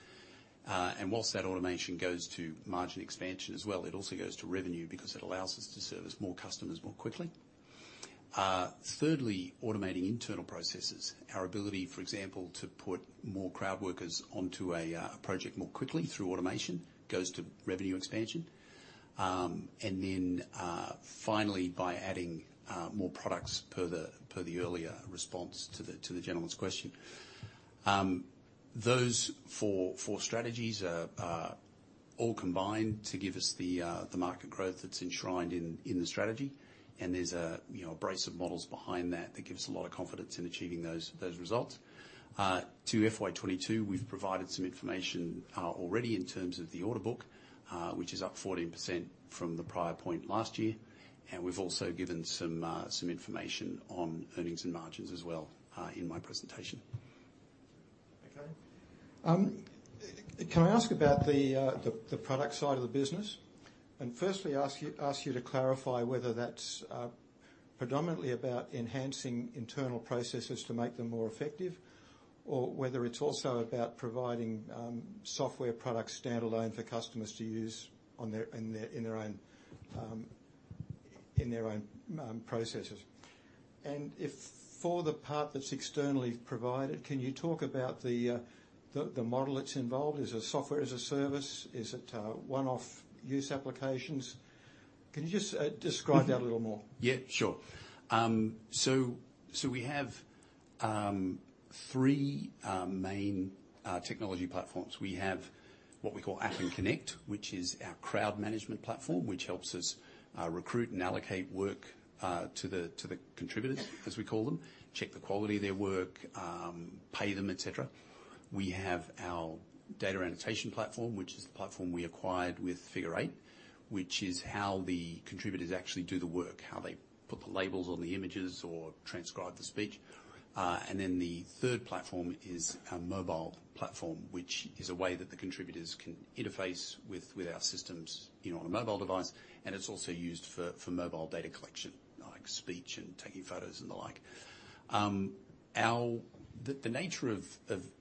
While that automation goes to margin expansion as well, it also goes to revenue because it allows us to service more customers more quickly. Thirdly, automating internal processes. Our ability, for example, to put more crowd workers onto a project more quickly through automation goes to revenue expansion. Finally, by adding more products per the earlier response to the gentleman's question. Those four strategies are all combined to give us the market growth that's enshrined in the strategy. There's a brace of models behind that that give us a lot of confidence in achieving those results. To FY 2022, we've provided some information already in terms of the order book, which is up 14% from the prior period last year, and we've also given some information on earnings and margins as well in my presentation. Okay. Can I ask about the product side of the business? First, ask you to clarify whether that's predominantly about enhancing internal processes to make them more effective, or whether it's also about providing software products standalone for customers to use in their own processes. If for the part that's externally provided, can you talk about the model that's involved? Is it software as a service? Is it one-off use applications? Can you just describe that a little more? Yeah, sure. We have three main technology platforms. We have what we call Appen Connect, which is our crowd management platform, which helps us recruit and allocate work to the contributors, as we call them, check the quality of their work, pay them, et cetera. We have our data annotation platform, which is the platform we acquired with Figure Eight, which is how the contributors actually do the work, how they put the labels on the images or transcribe the speech. And then the third platform is our mobile platform, which is a way that the contributors can interface with our systems, you know, on a mobile device, and it's also used for mobile data collection, like speech and taking photos and the like. The nature of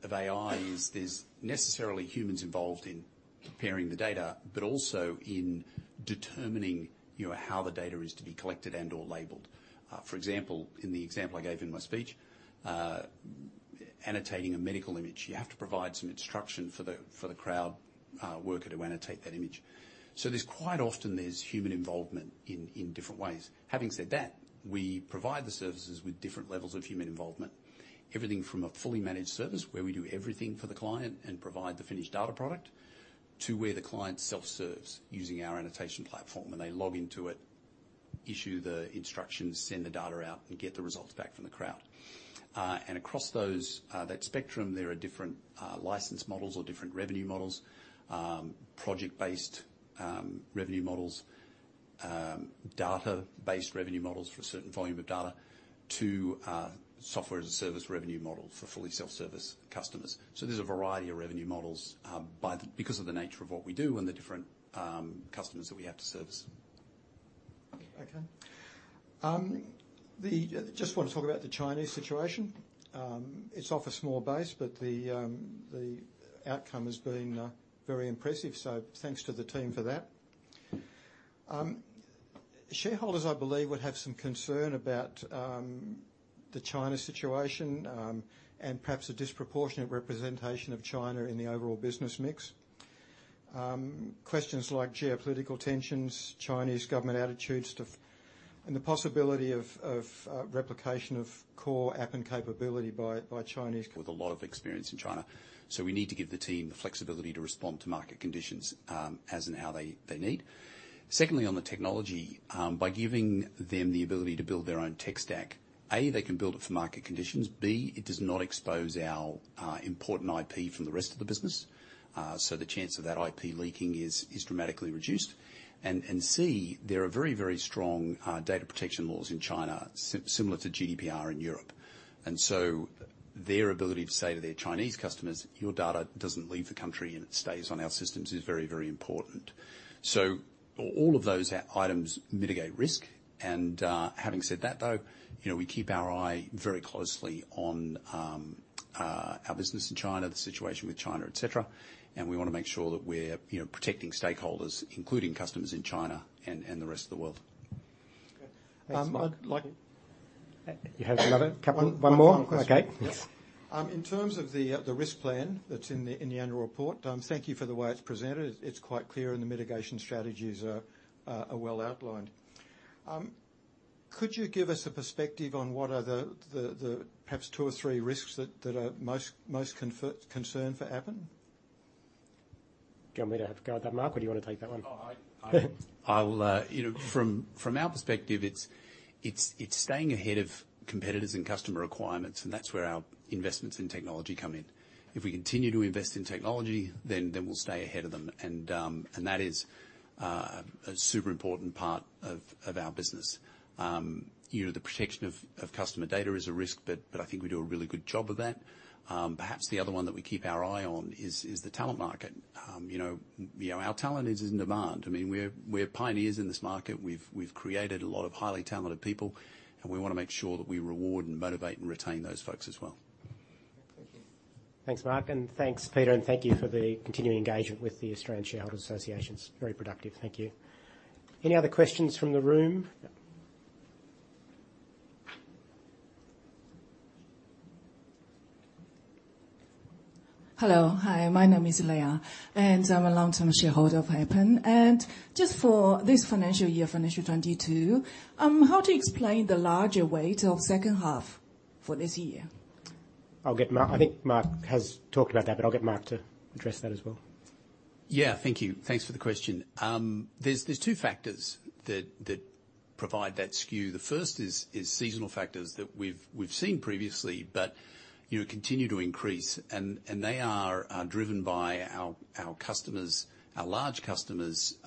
AI is there's necessarily humans involved in preparing the data, but also in determining, you know, how the data is to be collected and/or labeled. For example, in the example I gave in my speech, annotating a medical image, you have to provide some instruction for the crowd worker to annotate that image. So there's quite often human involvement in different ways. Having said that, we provide the services with different levels of human involvement. Everything from a fully managed service, where we do everything for the client and provide the finished data product, to where the client self-serves using our annotation platform, and they log into it, issue the instructions, send the data out, and get the results back from the crowd. Across that spectrum, there are different license models or different revenue models, project-based revenue models, data-based revenue models for a certain volume of data to a software as a service revenue model for fully self-service customers. There's a variety of revenue models because of the nature of what we do and the different customers that we have to service. Okay. Just want to talk about the Chinese situation. It's off a small base, but the outcome has been very impressive, so thanks to the team for that. Shareholders, I believe, would have some concern about the China situation, and perhaps a disproportionate representation of China in the overall business mix. Questions like geopolitical tensions, Chinese government attitudes to, and the possibility of replication of core Appen capability by Chinese- With a lot of experience in China. We need to give the team the flexibility to respond to market conditions, as and how they need. Secondly, on the technology, by giving them the ability to build their own tech stack, A, they can build it for market conditions, B, it does not expose our important IP from the rest of the business, so the chance of that IP leaking is dramatically reduced. C, there are very, very strong data protection laws in China, similar to GDPR in Europe. Their ability to say to their Chinese customers, "Your data doesn't leave the country and it stays on our systems," is very, very important. All of those items mitigate risk. Having said that, though, you know, we keep our eye very closely on our business in China, the situation with China, et cetera, and we wanna make sure that we're, you know, protecting stakeholders, including customers in China and the rest of the world. Okay. I'd like You have another couple. One more? One question. Okay. Yes. In terms of the risk plan that's in the annual report, thank you for the way it's presented. It's quite clear and the mitigation strategies are well outlined. Could you give us a perspective on what are the perhaps two or three risks that are most concerning for Appen? Do you want me to have a go at that, Mark, or do you wanna take that one? I'll, you know, from our perspective, it's staying ahead of competitors and customer requirements, and that's where our investments in technology come in. If we continue to invest in technology, then we'll stay ahead of them and that is a super important part of our business. You know, the protection of customer data is a risk, but I think we do a really good job of that. Perhaps the other one that we keep our eye on is the talent market. You know, our talent is in demand. I mean, we're pioneers in this market. We've created a lot of highly talented people, and we wanna make sure that we reward and motivate and retain those folks as well. Thank you. Thanks, Mark, and thanks, Peter, and thank you for the continuing engagement with the Australian Shareholders' Association. It's very productive. Thank you. Any other questions from the room? Hello. Hi, my name is Leigh, and I'm a long-term shareholder of Appen. Just for this financial year, financial 2022, how to explain the larger weight of second half for this year? I'll get Mark. I think Mark has talked about that, but I'll get Mark to address that as well. Yeah. Thank you. Thanks for the question. There's two factors that provide that skew. The first is seasonal factors that we've seen previously, but you know, continue to increase, and they are driven by our customers', our large customers'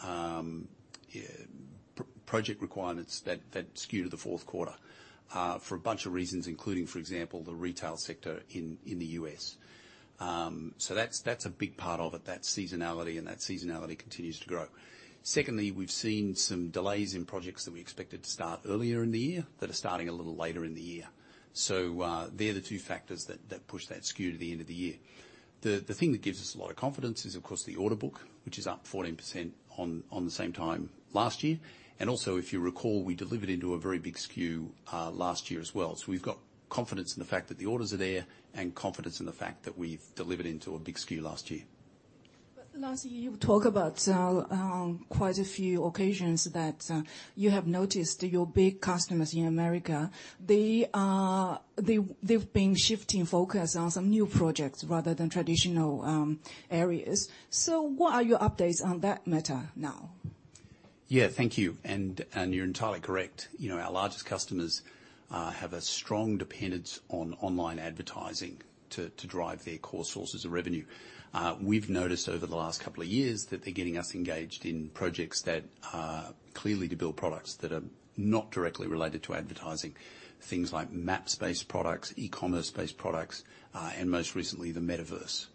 project requirements that skew to the fourth quarter for a bunch of reasons, including, for example, the retail sector in the U.S. So that's a big part of it, that seasonality, and that seasonality continues to grow. Secondly, we've seen some delays in projects that we expected to start earlier in the year that are starting a little later in the year. They're the two factors that push that skew to the end of the year. The thing that gives us a lot of confidence is, of course, the order book, which is up 14% on the same time last year. Also, if you recall, we delivered into a very big skew last year as well. We've got confidence in the fact that the orders are there and confidence in the fact that we've delivered into a big skew last year. Last year, you talk about on quite a few occasions that you have noticed your big customers in America. They've been shifting focus on some new projects rather than traditional areas. What are your updates on that matter now? You're entirely correct. You know, our largest customers have a strong dependence on online advertising to drive their core sources of revenue. We've noticed over the last couple of years that they're getting us engaged in projects that are clearly to build products that are not directly related to advertising. Things like map-based products, e-commerce-based products, and most recently, the metaverse.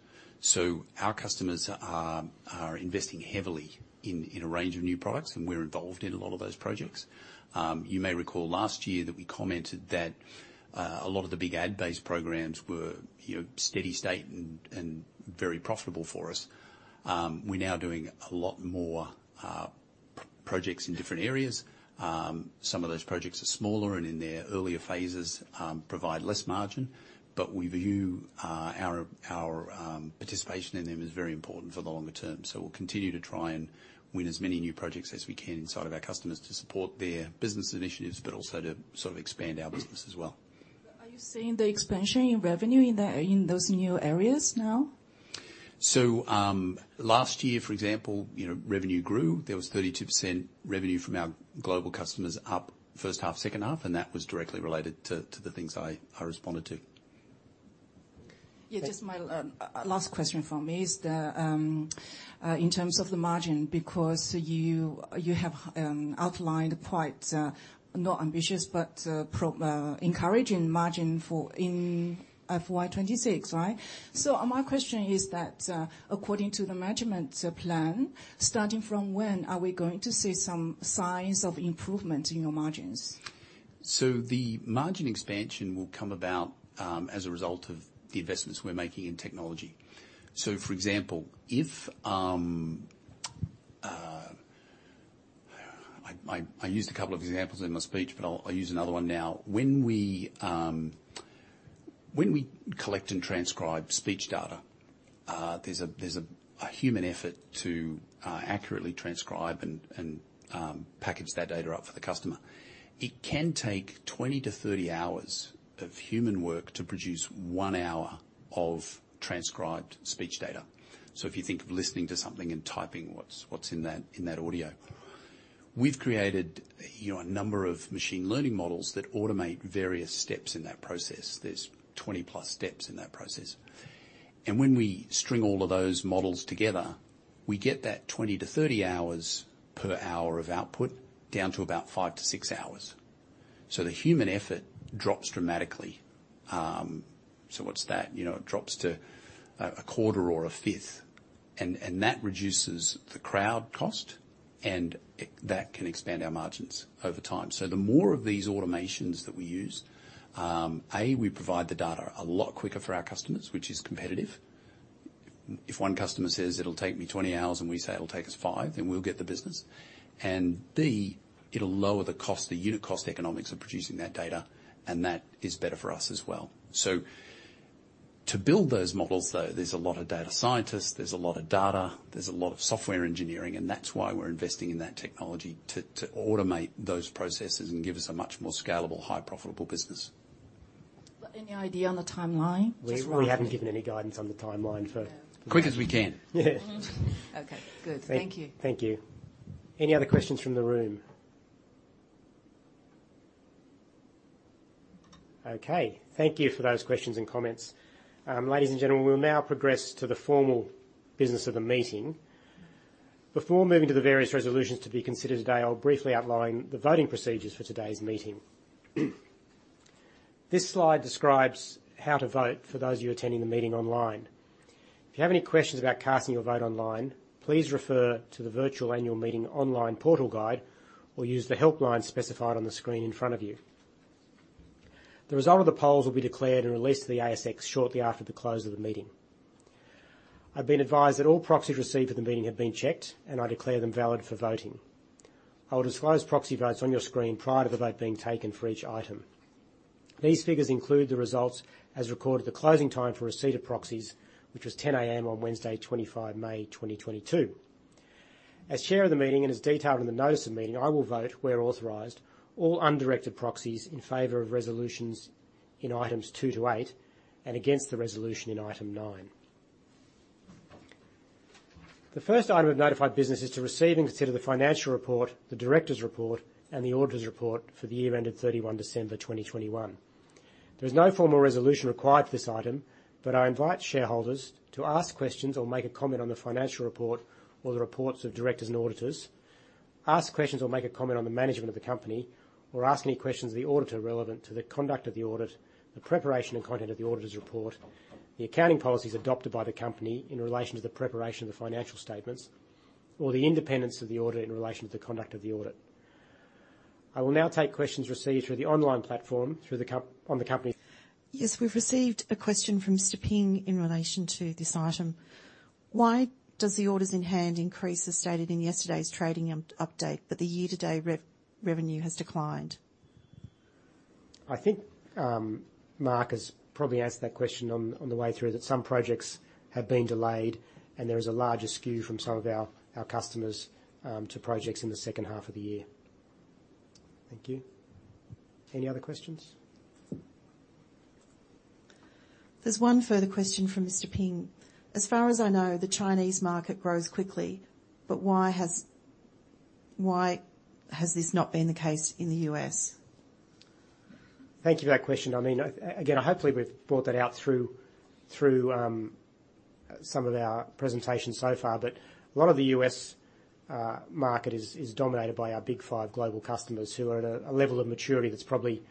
Our customers are investing heavily in a range of new products, and we're involved in a lot of those projects. You may recall last year that we commented that a lot of the big ad-based programs were, you know, steady state and very profitable for us. We're now doing a lot more projects in different areas. Some of those projects are smaller and in their earlier phases, provide less margin, but we view our participation in them as very important for the longer term. We'll continue to try and win as many new projects as we can inside of our customers to support their business initiatives, but also to sort of expand our business as well. Are you seeing the expansion in revenue in those new areas now? Last year, for example, you know, revenue grew. There was 32% revenue from our global customers up first half, second half, and that was directly related to the things I responded to. Yeah. Just my last question from me is in terms of the margin, because you have outlined quite not ambitious, but encouraging margin for FY 2026, right? My question is that according to the management plan, starting from when are we going to see some signs of improvement in your margins? The margin expansion will come about, as a result of the investments we're making in technology. For example, I used a couple of examples in my speech, but I'll use another one now. When we collect and transcribe speech data, there's a human effort to accurately transcribe and package that data up for the customer. It can take 20-30 hours of human work to produce one hour of transcribed speech data. If you think of listening to something and typing what's in that audio. We've created, you know, a number of machine learning models that automate various steps in that process. There's 20+ steps in that process. When we string all of those models together, we get that 20-30 hours per hour of output down to about 5-6 hours. The human effort drops dramatically. What's that? You know, it drops to a quarter or a fifth, and that reduces the crowd cost, and that can expand our margins over time. The more of these automations that we use, A, we provide the data a lot quicker for our customers, which is competitive. If one customer says, "It'll take me 20 hours," and we say, "It'll take us 5," then we'll get the business. And B, it'll lower the cost, the unit cost economics of producing that data, and that is better for us as well. To build those models, though, there's a lot of data scientists, there's a lot of data, there's a lot of software engineering, and that's why we're investing in that technology to automate those processes and give us a much more scalable, high profitable business. Any idea on the timeline? Just roughly. We haven't given any guidance on the timeline for. As quick as we can. Yeah. Okay, good. Thank you. Thank you. Any other questions from the room? Okay, thank you for those questions and comments. Ladies and gentlemen, we will now progress to the formal business of the meeting. Before moving to the various resolutions to be considered today, I'll briefly outline the voting procedures for today's meeting. This slide describes how to vote for those of you attending the meeting online. If you have any questions about casting your vote online, please refer to the virtual annual meeting online portal guide, or use the helpline specified on the screen in front of you. The result of the polls will be declared and released to the ASX shortly after the close of the meeting. I've been advised that all proxies received at the meeting have been checked, and I declare them valid for voting. I will disclose proxy votes on your screen prior to the vote being taken for each item. These figures include the results as recorded at the closing time for receipt of proxies, which was 10:00 A.M. on Wednesday, 25 May 2022. As Chair of the meeting and as detailed in the notice of the meeting, I will vote where authorized all undirected proxies in favor of resolutions in items two to eight, and against the resolution in item nine. The first item of notified business is to receive and consider the financial report, the director's report, and the auditor's report for the year ended 31 December 2021. There is no formal resolution required for this item, but I invite shareholders to ask questions or make a comment on the financial report or the reports of directors and auditors, ask questions or make a comment on the management of the company, or ask any questions of the auditor relevant to the conduct of the audit, the preparation and content of the auditor's report, the accounting policies adopted by the company in relation to the preparation of the financial statements, or the independence of the audit in relation to the conduct of the audit. I will now take questions received through the online platform. Yes, we've received a question from Mr. Ping in relation to this item. Why does the orders in hand increase as stated in yesterday's trading update, but the year-to-date revenue has declined? I think, Mark has probably answered that question on the way through that some projects have been delayed and there is a larger skew from some of our customers to projects in the second half of the year. Thank you. Any other questions? There's one further question from Mr. Ping. As far as I know, the Chinese market grows quickly, but why has this not been the case in the U.S.? Thank you for that question. I mean, again, hopefully we've brought that out through some of our presentations so far, but a lot of the U.S. market is dominated by our big five global customers who are at a level of maturity that's probably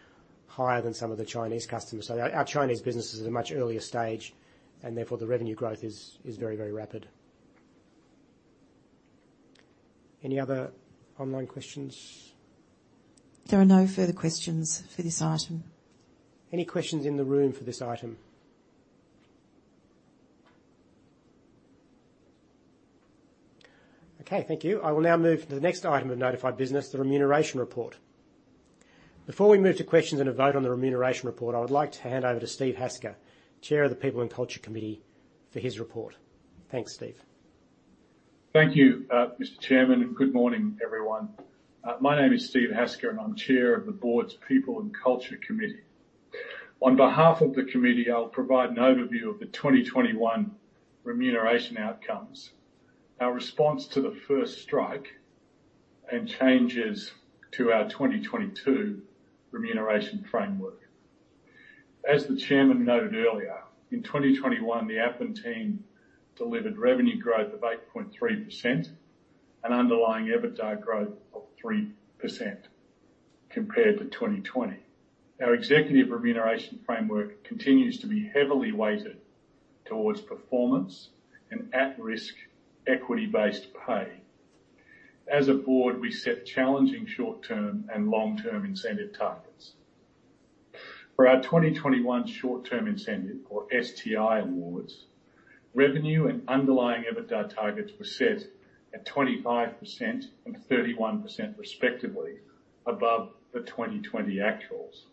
higher than some of the Chinese customers. Our Chinese business is at a much earlier stage, and therefore the revenue growth is very, very rapid. Any other online questions? There are no further questions for this item. Any questions in the room for this item? Okay, thank you. I will now move to the next item of notified business, the remuneration report. Before we move to questions and a vote on the remuneration report, I would like to hand over to Steve Hasker, Chair of the People and Culture Committee, for his report. Thanks, Steve. Thank you, Mr. Chairman, and good morning, everyone. My name is Steve Hasker, and I'm Chair of the Board's People and Culture Committee. On behalf of the committee, I'll provide an overview of the 2021 remuneration outcomes, our response to the first strike, and changes to our 2022 remuneration framework. As the Chairman noted earlier, in 2021, the Appen team delivered revenue growth of 8.3% and underlying EBITDA growth of 3% compared to 2020. Our executive remuneration framework continues to be heavily weighted towards performance and at-risk equity-based pay. As a Board, we set challenging short-term and long-term incentive targets. For our 2021 short-term incentive, or STI awards, revenue and underlying EBITDA targets were set at 25% and 31% respectively above the 2020 actuals.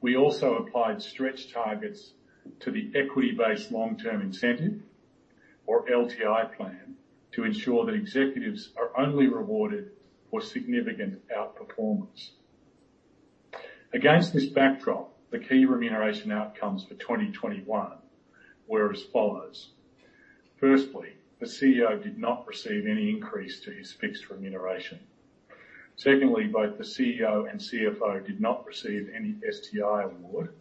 We also applied stretch targets to the equity-based long-term incentive, or LTI plan, to ensure that executives are only rewarded for significant outperformance. Against this backdrop, the key remuneration outcomes for 2021 were as follows. Firstly, the CEO did not receive any increase to his fixed remuneration. Secondly, both the CEO and CFO did not receive any STI award.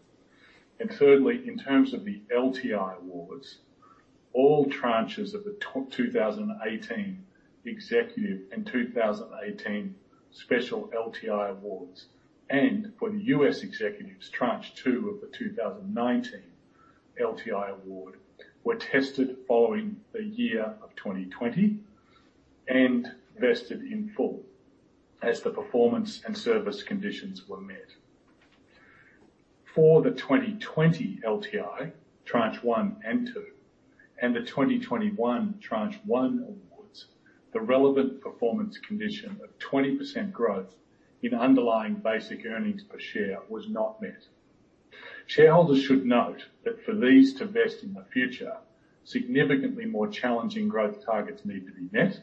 And thirdly, in terms of the LTI awards, all tranches of the top 2018 executive and 2018 special LTI awards, and for the U.S. executives, Tranche 2 of the 2019 LTI award were tested following the year of 2020 and vested in full as the performance and service conditions were met. For the 2020 LTI, Tranche 1 and Tranche 2 and the 2021 Tranche 1 awards, the relevant performance condition of 20% growth in underlying basic earnings per share was not met. Shareholders should note that for these to vest in the future, significantly more challenging growth targets need to be met,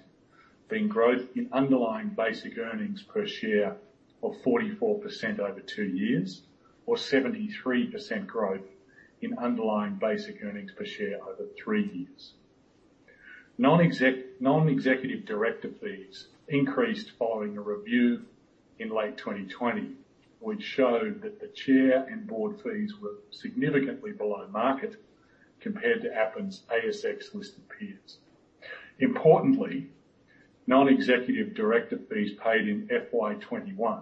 being growth in underlying basic earnings per share of 44% over two years or 73% growth in underlying basic earnings per share over three years. Non-Executive Director fees increased following a review in late 2020, which showed that the Chair and Board fees were significantly below market compared to Appen's ASX-listed peers. Importantly, Non-Executive Director fees paid in FY 2021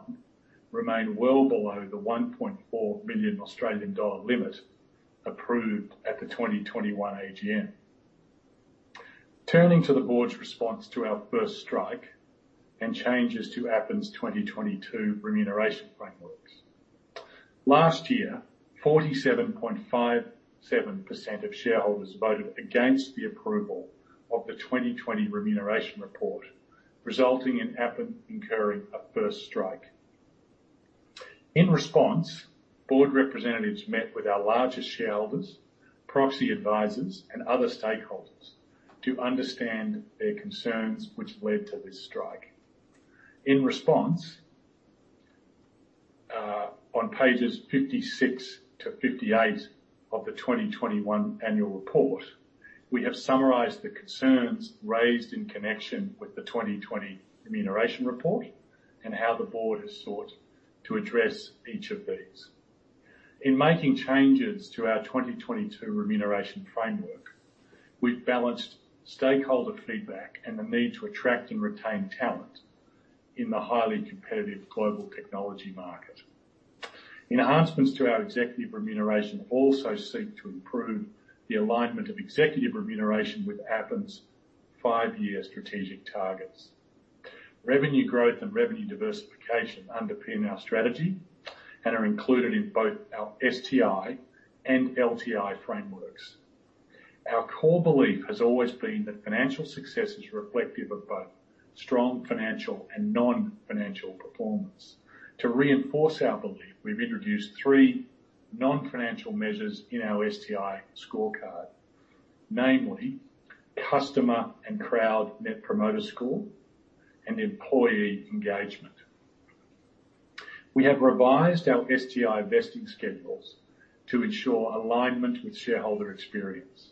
remain well below the 1.4 million Australian dollar limit approved at the 2021 AGM. Turning to the Board's response to our first strike and changes to Appen's 2022 remuneration frameworks. Last year, 47.57% of shareholders voted against the approval of the 2020 remuneration report, resulting in Appen incurring a first strike. In response, Board representatives met with our largest shareholders, proxy advisors, and other stakeholders to understand their concerns which led to this strike. In response, on pages 56-58 of the 2021 annual report, we have summarized the concerns raised in connection with the 2020 remuneration report and how the Board has sought to address each of these. In making changes to our 2022 remuneration framework, we've balanced stakeholder feedback and the need to attract and retain talent in the highly competitive global technology market. Enhancements to our executive remuneration also seek to improve the alignment of executive remuneration with Appen's five-year strategic targets. Revenue growth and revenue diversification underpin our strategy and are included in both our STI and LTI frameworks. Our core belief has always been that financial success is reflective of both strong financial and non-financial performance. To reinforce our belief, we've introduced three non-financial measures in our STI scorecard, namely customer and crowd Net Promoter Score and employee engagement. We have revised our STI vesting schedules to ensure alignment with shareholder experience.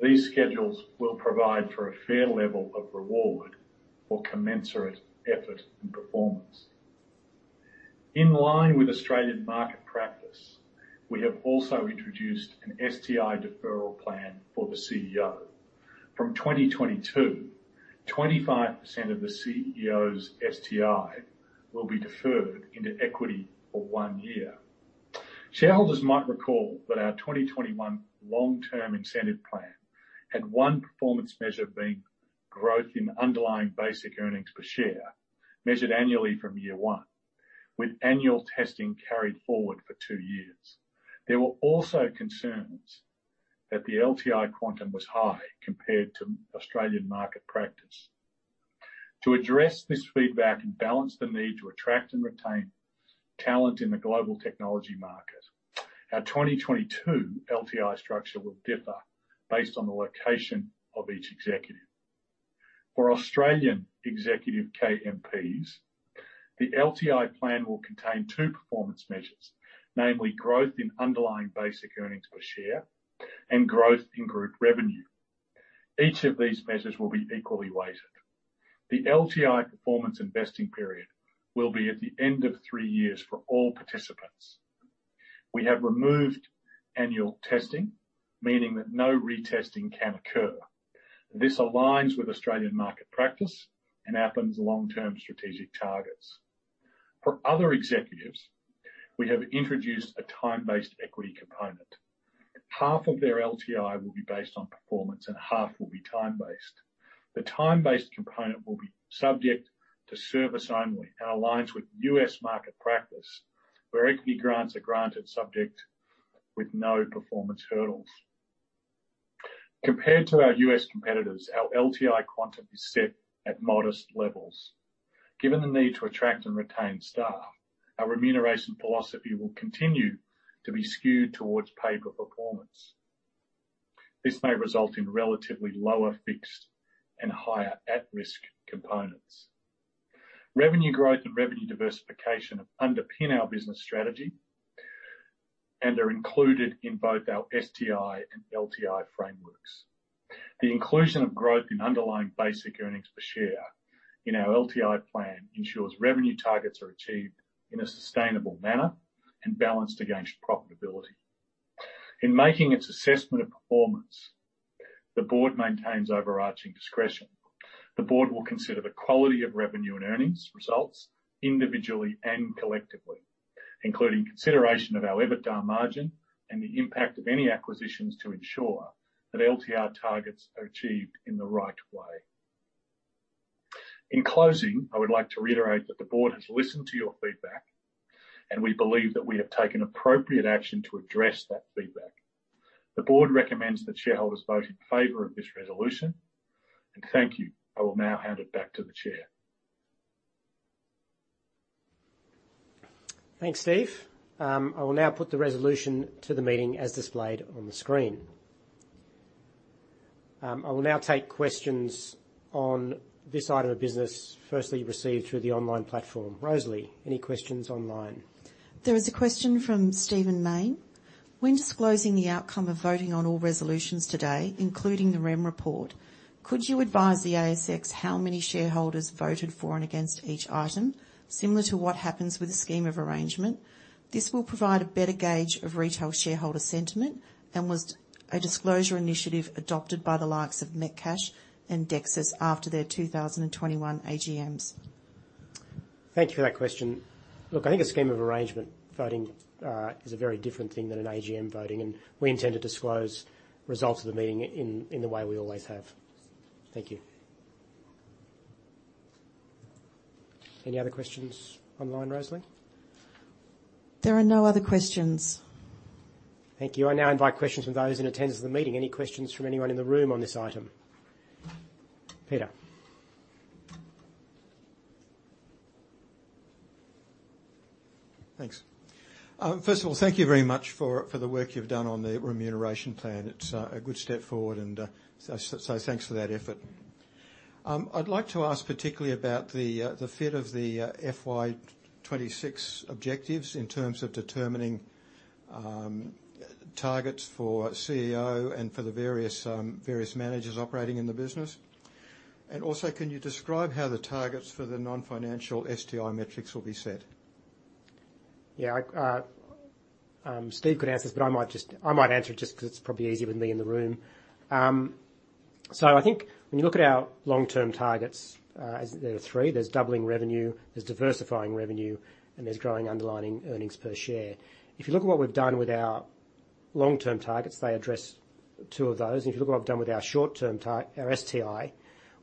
These schedules will provide for a fair level of reward for commensurate effort and performance. In line with Australian market practice, we have also introduced an STI deferral plan for the CEO. From 2022, 25% of the CEO's STI will be deferred into equity for one year. Shareholders might recall that our 2021 long-term incentive plan had one performance measure being growth in underlying basic earnings per share, measured annually from year one, with annual testing carried forward for two years. There were also concerns that the LTI quantum was high compared to Australian market practice. To address this feedback and balance the need to attract and retain talent in the global technology market, our 2022 LTI structure will differ based on the location of each executive. For Australian executive KMPs, the LTI plan will contain two performance measures, namely growth in underlying basic earnings per share and growth in group revenue. Each of these measures will be equally weighted. The LTI performance and vesting period will be at the end of three years for all participants. We have removed annual testing, meaning that no retesting can occur. This aligns with Australian market practice and Appen's long-term strategic targets. For other executives, we have introduced a time-based equity component. Half of their LTI will be based on performance and half will be time-based. The time-based component will be subject to service only and aligns with U.S. market practice, where equity grants are granted subject to no performance hurdles. Compared to our U.S. competitors, our LTI quantum is set at modest levels. Given the need to attract and retain staff, our remuneration philosophy will continue to be skewed towards pay for performance. This may result in relatively lower fixed and higher at-risk components. Revenue growth and revenue diversification underpin our business strategy and are included in both our STI and LTI frameworks. The inclusion of growth in underlying basic earnings per share in our LTI plan ensures revenue targets are achieved in a sustainable manner and balanced against profitability. In making its assessment of performance, the Board maintains overarching discretion. The Board will consider the quality of revenue and earnings results individually and collectively, including consideration of our EBITDA margin and the impact of any acquisitions to ensure that LTI targets are achieved in the right way. In closing, I would like to reiterate that the Board has listened to your feedback, and we believe that we have taken appropriate action to address that feedback. The Board recommends that shareholders vote in favor of this resolution. Thank you. I will now hand it back to the Chair. Thanks, Steve. I will now put the resolution to the meeting as displayed on the screen. I will now take questions on this item of business firstly received through the online platform. Rosalie, any questions online? There is a question from Stephen Mayne. When disclosing the outcome of voting on all resolutions today, including the REM report, could you advise the ASX how many shareholders voted for and against each item, similar to what happens with a scheme of arrangement? This will provide a better gauge of retail shareholder sentiment and was a disclosure initiative adopted by the likes of Metcash and Dexus after their 2021 AGMs. Thank you for that question. Look, I think a scheme of arrangement voting is a very different thing than an AGM voting, and we intend to disclose results of the meeting in the way we always have. Thank you. Any other questions online, Rosalie? There are no other questions. Thank you. I now invite questions from those in attendance of the meeting. Any questions from anyone in the room on this item? Peter. Thanks. First of all, thank you very much for the work you've done on the remuneration plan. It's a good step forward and so thanks for that effort. I'd like to ask particularly about the fit of the FY 2026 objectives in terms of determining targets for CEO and for the various managers operating in the business. Also, can you describe how the targets for the non-financial STI metrics will be set? Yeah. I think Steve could answer this, but I might answer it just 'cause it's probably easier with me in the room. I think when you look at our long-term targets, there are three. There's doubling revenue, there's diversifying revenue, and there's growing underlying earnings per share. If you look at what we've done with our long-term targets, they address two of those. If you look at what I've done with our STI,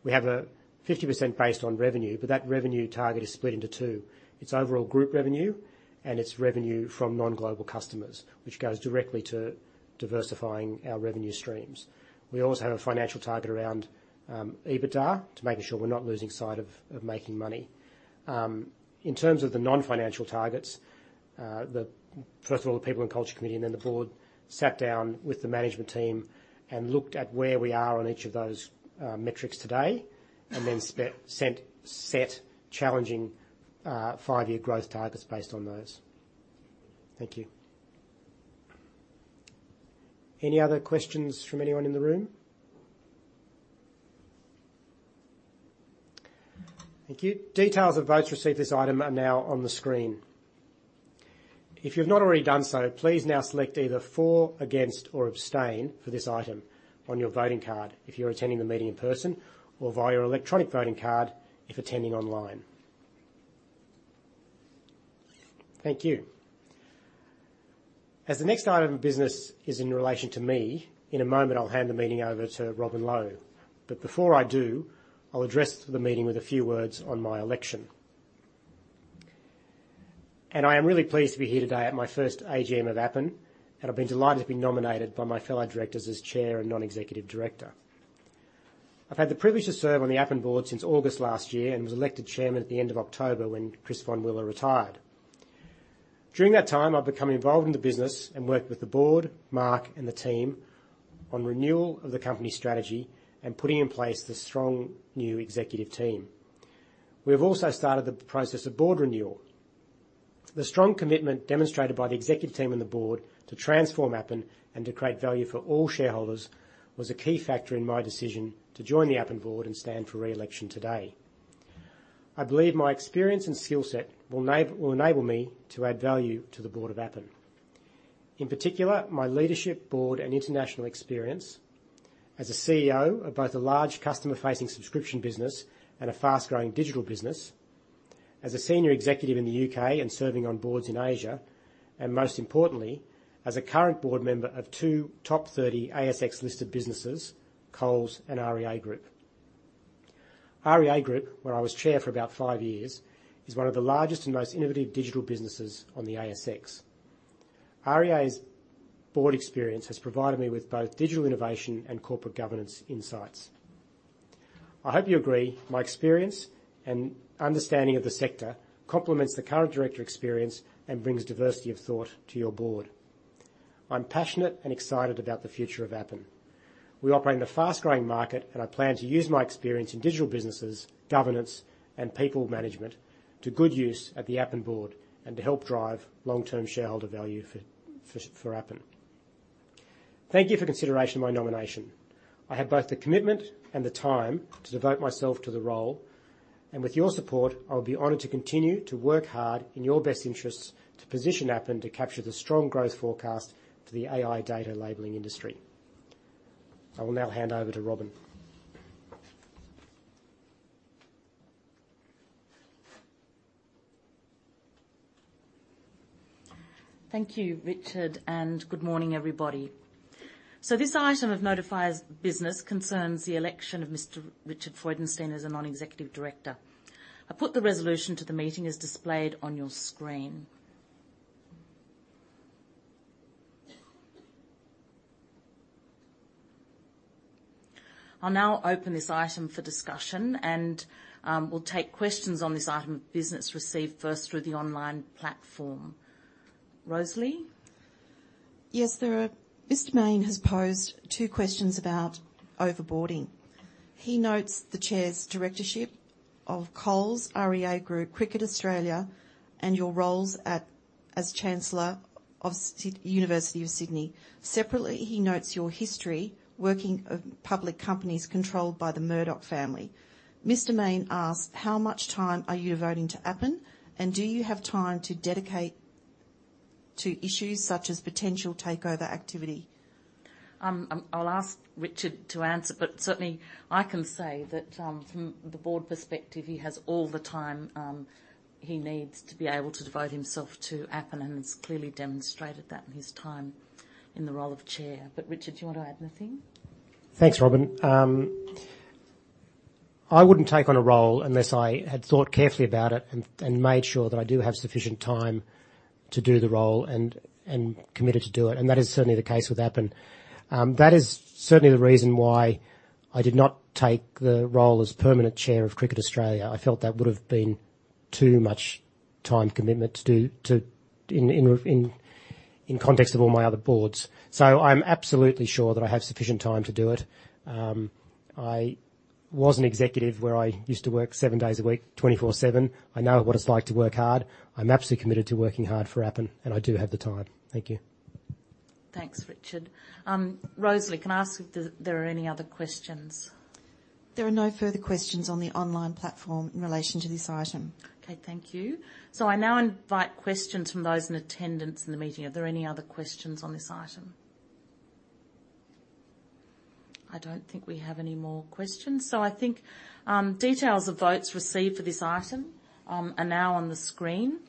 we have a 50% based on revenue, but that revenue target is split into two. It's overall group revenue and its revenue from non-global customers, which goes directly to diversifying our revenue streams. We always have a financial target around EBITDA to making sure we're not losing sight of making money. In terms of the non-financial targets, first of all, the People and Culture Committee and then the Board sat down with the management team and looked at where we are on each of those metrics today, and then set challenging five-year growth targets based on those. Thank you. Any other questions from anyone in the room? Thank you. Details of votes received for this item are now on the screen. If you've not already done so, please now select either for, against, or abstain for this item on your voting card if you're attending the meeting in person or via electronic voting card if attending online. Thank you. As the next item of business is in relation to me, in a moment, I'll hand the meeting over to Robin Low. Before I do, I'll address the meeting with a few words on my election. I am really pleased to be here today at my first AGM of Appen, and I've been delighted to be nominated by my fellow Directors as Chair and Non-Executive Director. I've had the privilege to serve on the Appen Board since August last year and was elected Chairman at the end of October when Chris Vonwiller retired. During that time, I've become involved in the business and worked with the Board, Mark, and the team on renewal of the company strategy and putting in place the strong new executive team. We have also started the process of Board renewal. The strong commitment demonstrated by the executive team and the Board to transform Appen and to create value for all shareholders was a key factor in my decision to join the Appen Board and stand for re-election today. I believe my experience and skill set will enable me to add value to the Board of Appen. In particular, my leadership, Board, and international experience as a CEO of both a large customer-facing subscription business and a fast-growing digital business, as a senior executive in the U.K. and serving on Boards in Asia, and most importantly, as a current Board member of two top thirty ASX-listed businesses, Coles and REA Group. REA Group, where I was Chair for about five years, is one of the largest and most innovative digital businesses on the ASX. REA's Board experience has provided me with both digital innovation and corporate governance insights. I hope you agree my experience and understanding of the sector complements the current Director experience and brings diversity of thought to your Board. I'm passionate and excited about the future of Appen. We operate in a fast-growing market, and I plan to use my experience in digital businesses, governance, and people management to good use at the Appen Board and to help drive long-term shareholder value for Appen. Thank you for consideration of my nomination. I have both the commitment and the time to devote myself to the role. With your support, I would be honored to continue to work hard in your best interests to position Appen to capture the strong growth forecast for the AI data labeling industry. I will now hand over to Robin. Thank you, Richard, and good morning, everybody. This item of notified business concerns the election of Mr. Richard Freudenstein as a Non-Executive Director. I put the resolution to the meeting as displayed on your screen. I'll now open this item for discussion, and we'll take questions on this item of business received first through the online platform. Rosalie? Yes, there are. Mr. Mayne has posed two questions about overBoarding. He notes the Chair's Directorship of Coles, REA Group, Cricket Australia, and your roles at as Chancellor of University of Sydney. Separately, he notes your history working for public companies controlled by the Murdoch family. Mr. Mayne asks, "How much time are you devoting to Appen, and do you have time to dedicate to issues such as potential takeover activity? I'll ask Richard to answer, but certainly I can say that, from the Board perspective, he has all the time he needs to be able to devote himself to Appen and has clearly demonstrated that in his time in the role of Chair. Richard, do you want to add anything? Thanks, Robin. I wouldn't take on a role unless I had thought carefully about it and made sure that I do have sufficient time to do the role and committed to do it. That is certainly the case with Appen. That is certainly the reason why I did not take the role as permanent Chair of Cricket Australia. I felt that would have been too much time commitment to do in context of all my other Boards. I'm absolutely sure that I have sufficient time to do it. I was an executive where I used to work seven days a week, 24/7. I know what it's like to work hard. I'm absolutely committed to working hard for Appen. I do have the time. Thank you. Thanks, Richard. Rosalie, can I ask if there are any other questions? There are no further questions on the online platform in relation to this item. Okay, thank you. I now invite questions from those in attendance in the meeting. Are there any other questions on this item? I don't think we have any more questions. I think details of votes received for this item are now on the screen.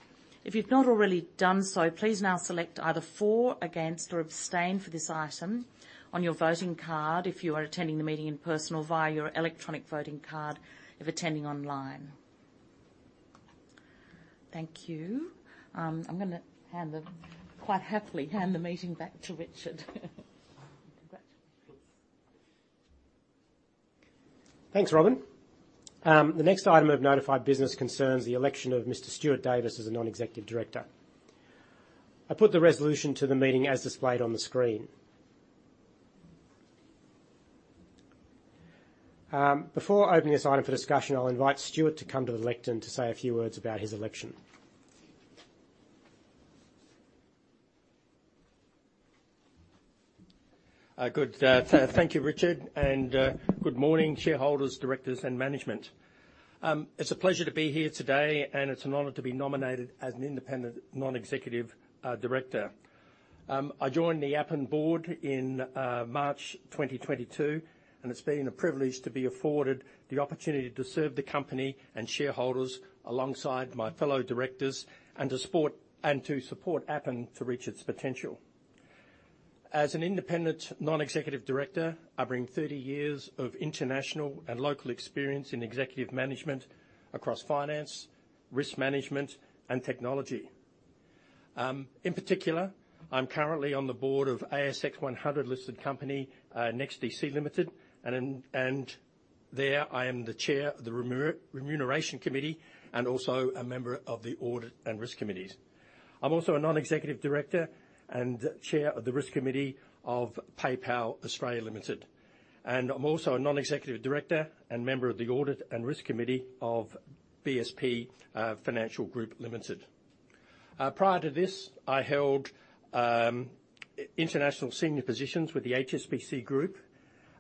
If you've not already done so, please now select either for, against, or abstain for this item on your voting card if you are attending the meeting in person or via your electronic voting card if attending online. Thank you. I'm gonna quite happily hand the meeting back to Richard. Congratulations. Thanks, Robin. The next item of notified business concerns the election of Mr. Stuart Davis as a Non-Executive Director. I put the resolution to the meeting as displayed on the screen. Before opening this item for discussion, I'll invite Stuart to come to the lectern to say a few words about his election. Thank you, Richard. Good morning, shareholders, Directors, and management. It's a pleasure to be here today, and it's an honor to be nominated as an independent Non-Executive Director. I joined the Appen Board in March 2022, and it's been a privilege to be afforded the opportunity to serve the company and shareholders alongside my fellow Directors and to support Appen to reach its potential. As an independent Non-Executive Director, I bring 30 years of international and local experience in executive management across finance, risk management, and technology. In particular, I'm currently on the Board of ASX 100-listed company, NEXTDC Limited. There, I am the Chair of the remuneration committee and also a member of the audit and risk committees. I'm also a Non-Executive Director and Chair of the risk committee of PayPal Australia Pty Limited. I'm also a Non-Executive Director and member of the audit and risk committee of BSP Financial Group Limited. Prior to this, I held international senior positions with the HSBC Group,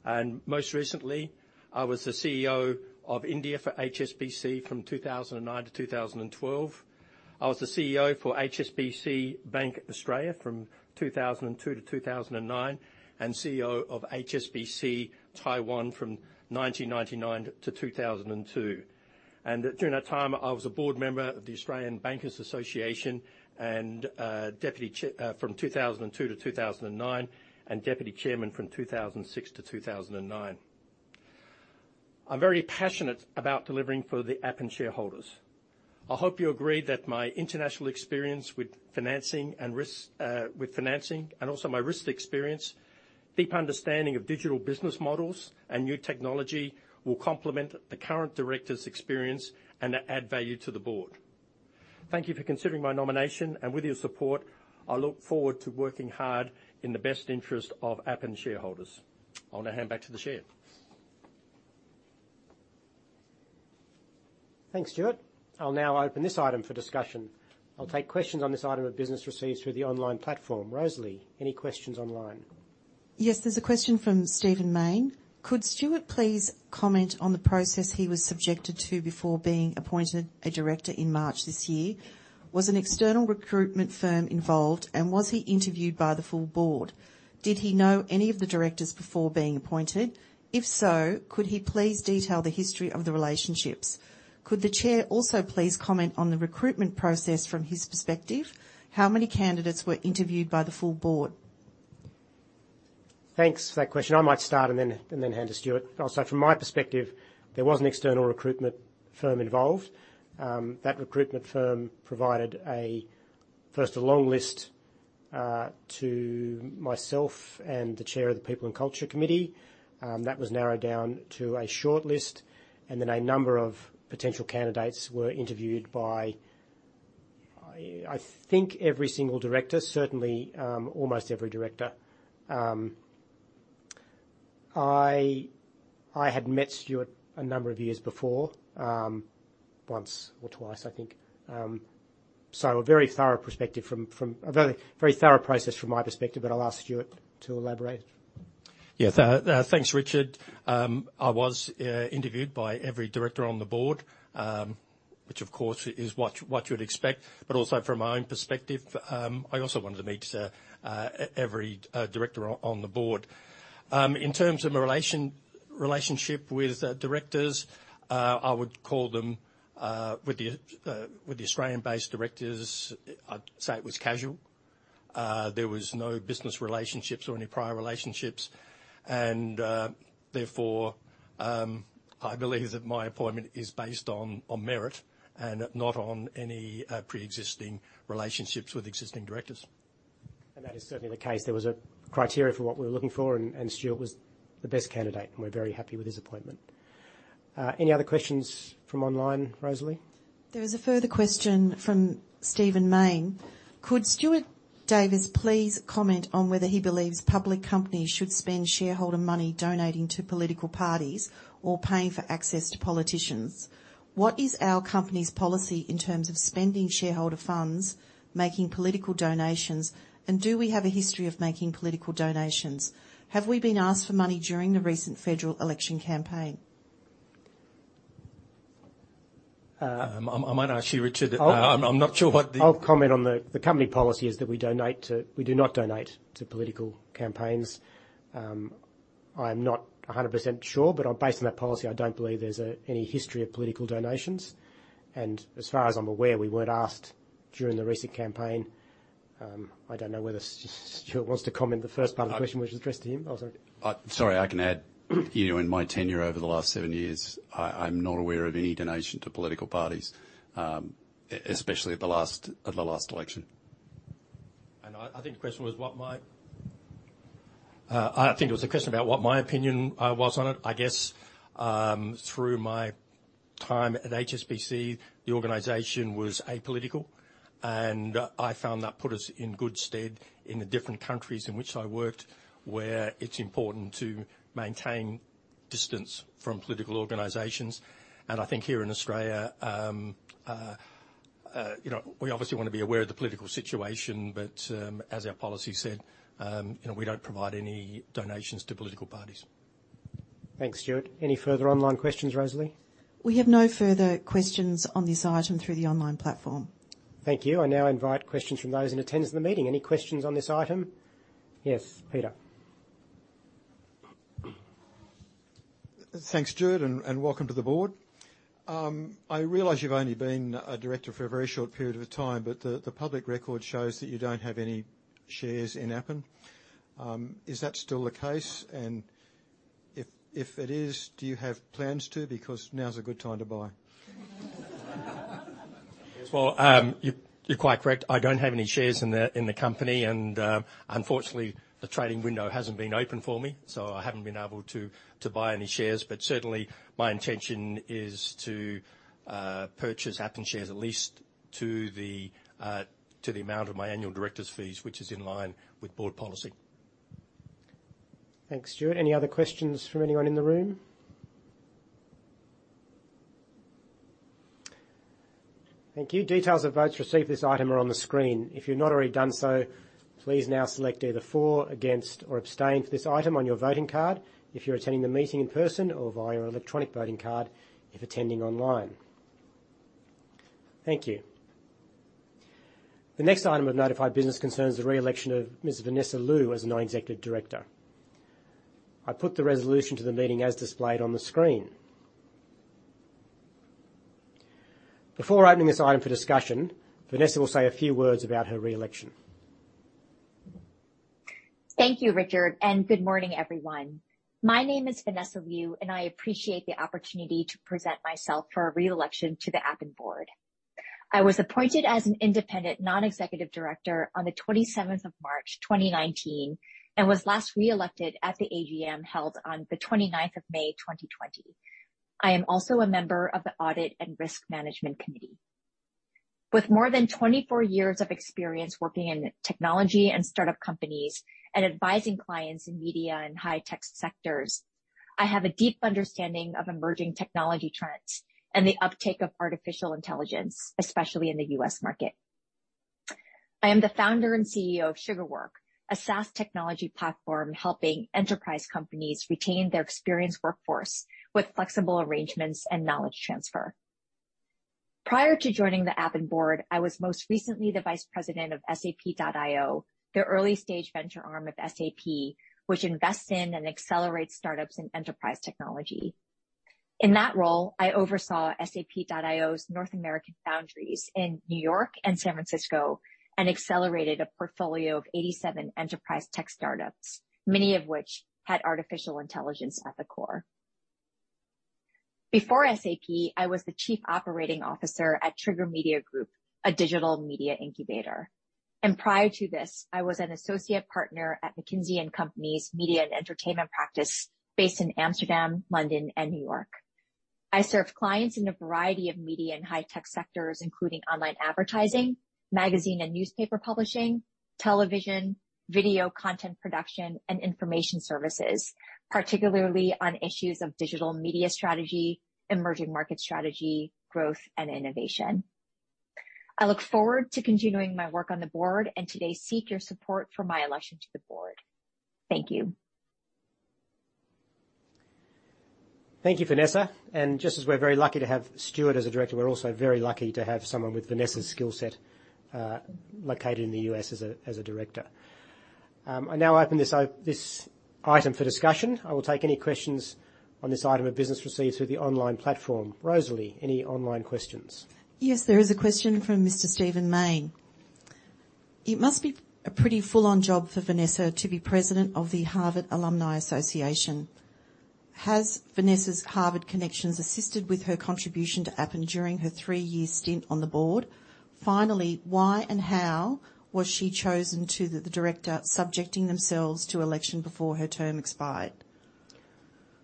and most recently, I was the CEO of India for HSBC from 2009 to 2012. I was the CEO for HSBC Bank Australia Limited from 2002 to 2009, and CEO of HSBC Taiwan from 1999 to 2002. During that time, I was a Board member of the Australian Bankers' Association and deputy Chairman from 2002 to 2009, and deputy Chairman from 2006 to 2009. I'm very passionate about delivering for the Appen shareholders. I hope you agree that my international experience with financing and risk, and also my risk experience, deep understanding of digital business models and new technology will complement the current Directors' experience and add value to the Board. Thank you for considering my nomination. With your support, I look forward to working hard in the best interest of Appen shareholders. I'll now hand back to the Chair. Thanks, Stuart. I'll now open this item for discussion. I'll take questions on this item of business received through the online platform. Rosalie, any questions online? Yes. There's a question from Stephen Mayne. Could Stuart please comment on the process he was subjected to before being appointed a Director in March this year? Was an external recruitment firm involved, and was he interviewed by the full Board? Did he know any of the Directors before being appointed? If so, could he please detail the history of the relationships? Could the Chair also please comment on the recruitment process from his perspective? How many candidates were interviewed by the full Board? Thanks for that question. I might start and then hand to Stuart. I'll say from my perspective, there was an external recruitment firm involved. That recruitment firm provided first a long list to myself and the Chair of the People and Culture Committee. That was narrowed down to a short list, and then a number of potential candidates were interviewed by I think every single Director, certainly almost every Director. I had met Stuart a number of years before once or twice, I think. So a very thorough process from my perspective, but I'll ask Stuart to elaborate. Yeah. Thanks, Richard. I was interviewed by every Director on the Board, which of course is what you'd expect, but also from my own perspective, I also wanted to meet every Director on the Board. In terms of my relationship with Directors, I would call them with the Australian-based Directors, I'd say it was casual. There was no business relationships or any prior relationships and therefore I believe that my appointment is based on merit and not on any preexisting relationships with existing Directors. That is certainly the case. There was a criteria for what we were looking for and Stuart was the best candidate and we're very happy with his appointment. Any other questions from online, Rosalie? There is a further question from Stephen Mayne. Could Stuart Davis please comment on whether he believes public companies should spend shareholder money donating to political parties or paying for access to politicians? What is our company's policy in terms of spending shareholder funds making political donations? Do we have a history of making political donations? Have we been asked for money during the recent federal election campaign? Uh- I might ask you, Richard. I'll- I'm not sure what the I'll comment on the company policy. We do not donate to political campaigns. I'm not 100% sure, but based on that policy, I don't believe there's any history of political donations and as far as I'm aware, we weren't asked during the recent campaign. I don't know whether Stuart wants to comment the first part of the question which was addressed to him. Oh, sorry. Uh- Sorry, I can add. You know, in my tenure over the last 7 years, I'm not aware of any donation to political parties, especially at the last election. I think the question was what my opinion was on it. I guess, through my time at HSBC, the organization was apolitical and I found that put us in good stead in the different countries in which I worked, where it's important to maintain distance from political organizations. I think here in Australia, you know, we obviously wanna be aware of the political situation, but, as our policy said, you know, we don't provide any donations to political parties. Thanks, Stuart. Any further online questions, Rosalie? We have no further questions on this item through the online platform. Thank you. I now invite questions from those in attendance of the meeting. Any questions on this item? Yes, Peter. Thanks, Stuart, and welcome to the Board. I realize you've only been a Director for a very short period of time, but the public record shows that you don't have any shares in Appen. Is that still the case? If it is, do you have plans to? Because now's a good time to buy. Yes. Well, you're quite correct. I don't have any shares in the company, and unfortunately, the trading window hasn't been open for me, so I haven't been able to buy any shares. But certainly my intention is to purchase Appen shares at least to the amount of my annual Director's fees, which is in line with Board policy. Thanks, Stuart. Any other questions from anyone in the room? Thank you. Details of votes received for this item are on the screen. If you've not already done so, please now select either for, against, or abstain for this item on your voting card if you're attending the meeting in person or via electronic voting card if attending online. Thank you. The next item of notified business concerns the re-election of Ms. Vanessa Liu as a Non-Executive Director. I put the resolution to the meeting as displayed on the screen. Before opening this item for discussion, Vanessa will say a few words about her re-election. Thank you, Richard, and good morning, everyone. My name is Vanessa Liu, and I appreciate the opportunity to present myself for re-election to the Appen Board. I was appointed as an independent Non-Executive Director on the 27th of March 2019, and was last re-elected at the AGM held on the 29th of May 2020. I am also a member of the Audit and Risk Management Committee. With more than 24 years of experience working in technology and startup companies and advising clients in media and high-tech sectors, I have a deep understanding of emerging technology trends and the uptake of artificial intelligence, especially in the U.S. market. I am the founder and CEO of Sugarwork, a SaaS technology platform helping enterprise companies retain their experienced workforce with flexible arrangements and knowledge transfer. Prior to joining the Appen Board, I was most recently the Vice President of SAP.iO, the early-stage venture arm of SAP, which invests in and accelerates startups in enterprise technology. In that role, I oversaw SAP.iO's North American Foundries in New York and San Francisco and accelerated a portfolio of 87 enterprise tech startups, many of which had artificial intelligence at the core. Before SAP, I was the Chief Operating Officer at Trigger Media Group, a digital media incubator. Prior to this, I was an associate partner at McKinsey & Company's Media and Entertainment practice based in Amsterdam, London and New York. I served clients in a variety of media and high-tech sectors, including online advertising, magazine and newspaper publishing, television, video content production, and information services, particularly on issues of digital media strategy, emerging market strategy, growth and innovation. I look forward to continuing my work on the Board and today seek your support for my election to the Board. Thank you. Thank you, Vanessa. Just as we're very lucky to have Stuart as a Director, we're also very lucky to have someone with Vanessa's skill set, located in the US as a Director. I now open this item for discussion. I will take any questions on this item of business received through the online platform. Rosalie, any online questions? Yes, there is a question from Mr. Stephen Mayne. It must be a pretty full-on job for Vanessa to be President of the Harvard Alumni Association. Has Vanessa's Harvard connections assisted with her contribution to Appen during her three-year stint on the Board? Finally, why and how was she chosen as Director subjecting herself to election before her term expired?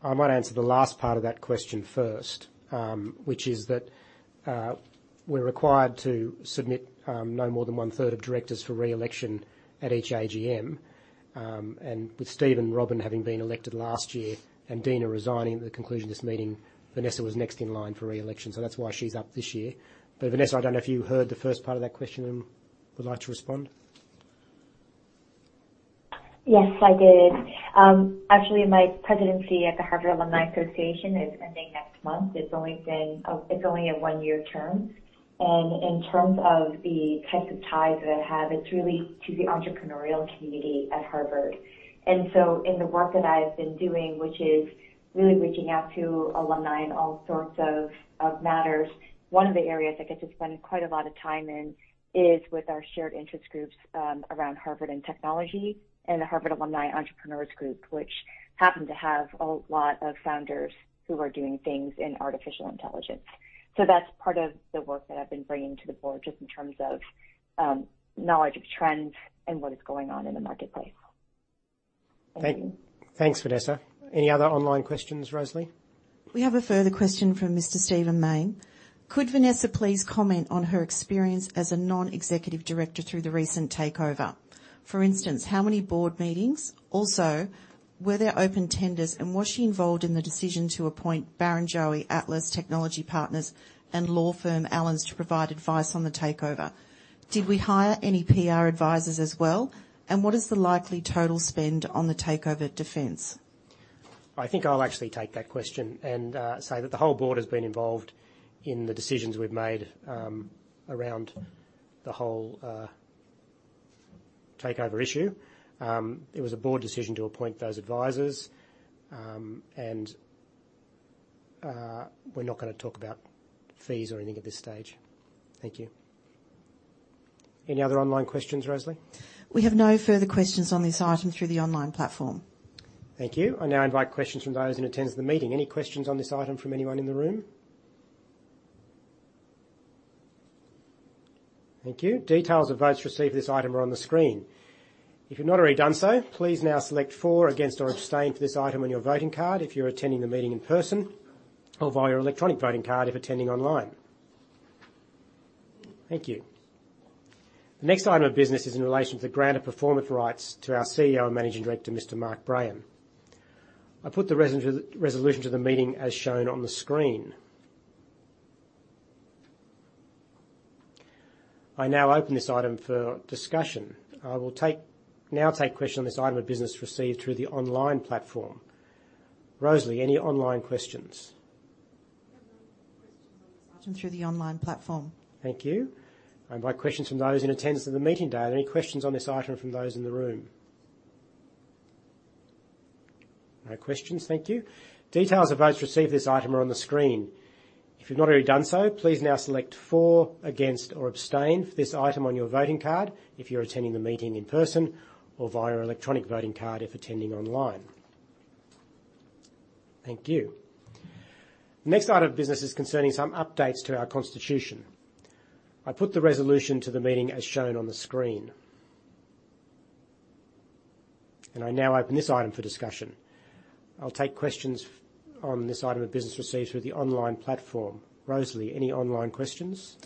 I might answer the last part of that question first. Which is that, we're required to submit no more than one-third of Directors for re-election at each AGM. With Steve and Robin having been elected last year and Deena resigning at the conclusion of this meeting, Vanessa was next in line for re-election, so that's why she's up this year. Vanessa, I don't know if you heard the first part of that question and would like to respond. Yes, I did. Actually, my presidency at the Harvard Alumni Association is ending next month. It's only a one-year term. In terms of the types of ties that I have, it's really to the entrepreneurial community at Harvard. In the work that I've been doing, which is really reaching out to alumni in all sorts of matters, one of the areas I get to spend quite a lot of time in is with our shared interest groups around Harvard and technology and the Harvard Alumni Entrepreneurs group, which happen to have a lot of founders who are doing things in artificial intelligence. That's part of the work that I've been bringing to the Board, just in terms of knowledge of trends and what is going on in the marketplace. Thank you. Thanks, Vanessa. Any other online questions, Rosalie? We have a further question from Mr. Stephen Mayne. Could Vanessa please comment on her experience as a Non-Executive Director through the recent takeover? For instance, how many Board meetings? Also, were there open tenders, and was she involved in the decision to appoint Barrenjoey, Atlas Technology Group and law firm Allens to provide advice on the takeover? Did we hire any PR advisors as well? And what is the likely total spend on the takeover defense? I think I'll actually take that question and say that the whole Board has been involved in the decisions we've made around the whole takeover issue. It was a Board decision to appoint those advisors and we're not gonna talk about fees or anything at this stage. Thank you. Any other online questions, Rosalie? We have no further questions on this item through the online platform. Thank you. I now invite questions from those in attendance at the meeting. Any questions on this item from anyone in the room? Thank you. Details of votes received for this item are on the screen. If you've not already done so, please now select for, against, or abstain for this item on your voting card if you're attending the meeting in person or via electronic voting card if attending online. Thank you. The next item of business is in relation to the grant of performance rights to our CEO and Managing Director, Mr. Mark Brayan. I put the resolution to the meeting as shown on the screen. I now open this item for discussion. I will now take questions on this item of business received through the online platform. Rosalie, any online questions? We have no questions on this item through the online platform. Thank you. I invite questions from those in attendance at the meeting today. Are there any questions on this item from those in the room? No questions. Thank you. Details of votes received for this item are on the screen. If you've not already done so, please now select for, against, or abstain for this item on your voting card if you're attending the meeting in person or via electronic voting card if attending online. Thank you. The next item of business is concerning some updates to our constitution. I put the resolution to the meeting as shown on the screen. I now open this item for discussion. I'll take questions on this item of business received through the online platform. Rosalie, any online questions?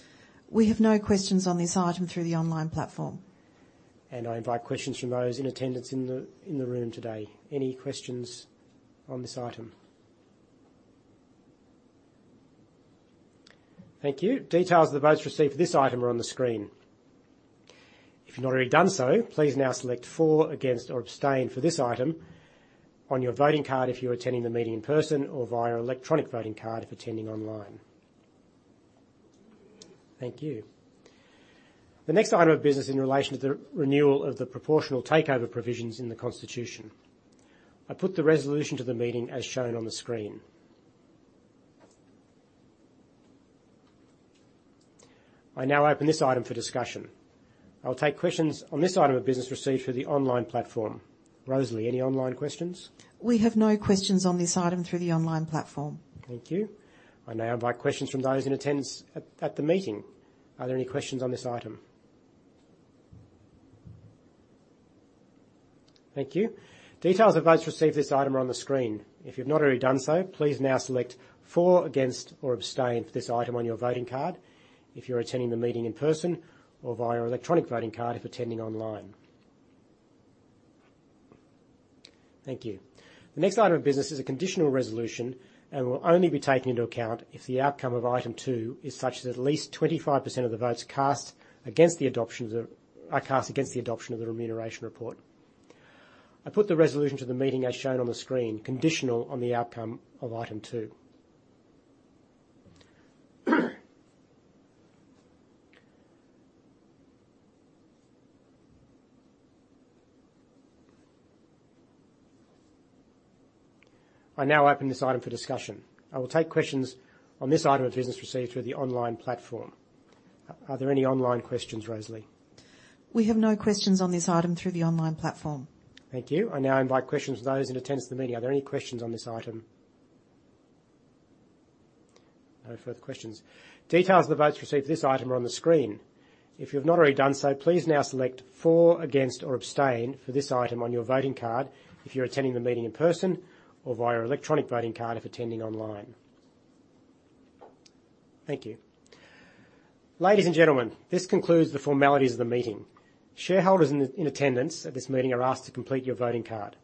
We have no questions on this item through the online platform. I invite questions from those in attendance in the room today. Any questions on this item? Thank you. Details of the votes received for this item are on the screen. If you've not already done so, please now select for, against, or abstain for this item on your voting card if you're attending the meeting in person or via electronic voting card if attending online. Thank you. The next item of business in relation to the renewal of the proportional takeover provisions in the Constitution. I put the resolution to the meeting as shown on the screen. I now open this item for discussion. I'll take questions on this item of business received through the online platform. Rosalie, any online questions? We have no questions on this item through the online platform. Thank you. I now invite questions from those in attendance at the meeting. Are there any questions on this item? Thank you. Details of votes received for this item are on the screen. If you've not already done so, please now select for, against, or abstain for this item on your voting card if you're attending the meeting in person or via electronic voting card if attending online. Thank you. The next item of business is a conditional resolution and will only be taken into account if the outcome of item two is such that at least 25% of the votes are cast against the adoption of the remuneration report. I put the resolution to the meeting as shown on the screen, conditional on the outcome of item two. I now open this item for discussion. I will take questions on this item of business received through the online platform. Are there any online questions, Rosalie? We have no questions on this item through the online platform. Thank you. I now invite questions from those in attendance at the meeting. Are there any questions on this item? No further questions. Details of the votes received for this item are on the screen. If you have not already done so, please now select for, against, or abstain for this item on your voting card if you're attending the meeting in person or via electronic voting card if attending online. Thank you. Ladies and gentlemen, this concludes the formalities of the meeting. Shareholders in attendance at this meeting are asked to complete your voting card.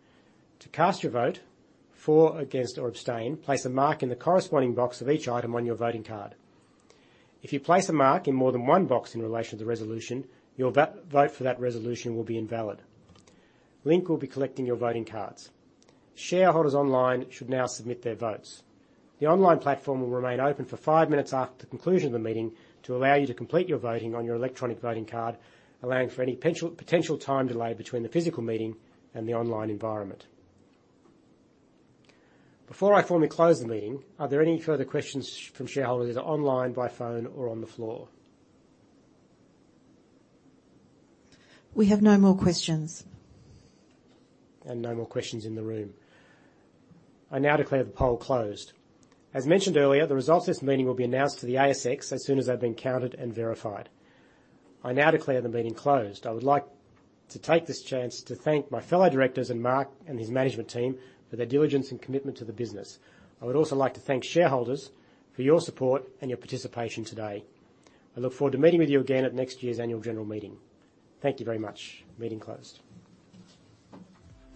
To cast your vote for, against, or abstain, place a mark in the corresponding box of each item on your voting card. If you place a mark in more than one box in relation to the resolution, your vote for that resolution will be invalid. Link will be collecting your voting cards. Shareholders online should now submit their votes. The online platform will remain open for five minutes after the conclusion of the meeting to allow you to complete your voting on your electronic voting card, allowing for any potential time delay between the physical meeting and the online environment. Before I formally close the meeting, are there any further questions from shareholders online, by phone, or on the floor? We have no more questions. No more questions in the room. I now declare the poll closed. As mentioned earlier, the results of this meeting will be announced to the ASX as soon as they've been counted and verified. I now declare the meeting closed. I would like to take this chance to thank my fellow Directors and Mark and his management team for their diligence and commitment to the business. I would also like to thank shareholders for your support and your participation today. I look forward to meeting with you again at next year's annual general meeting. Thank you very much. Meeting closed.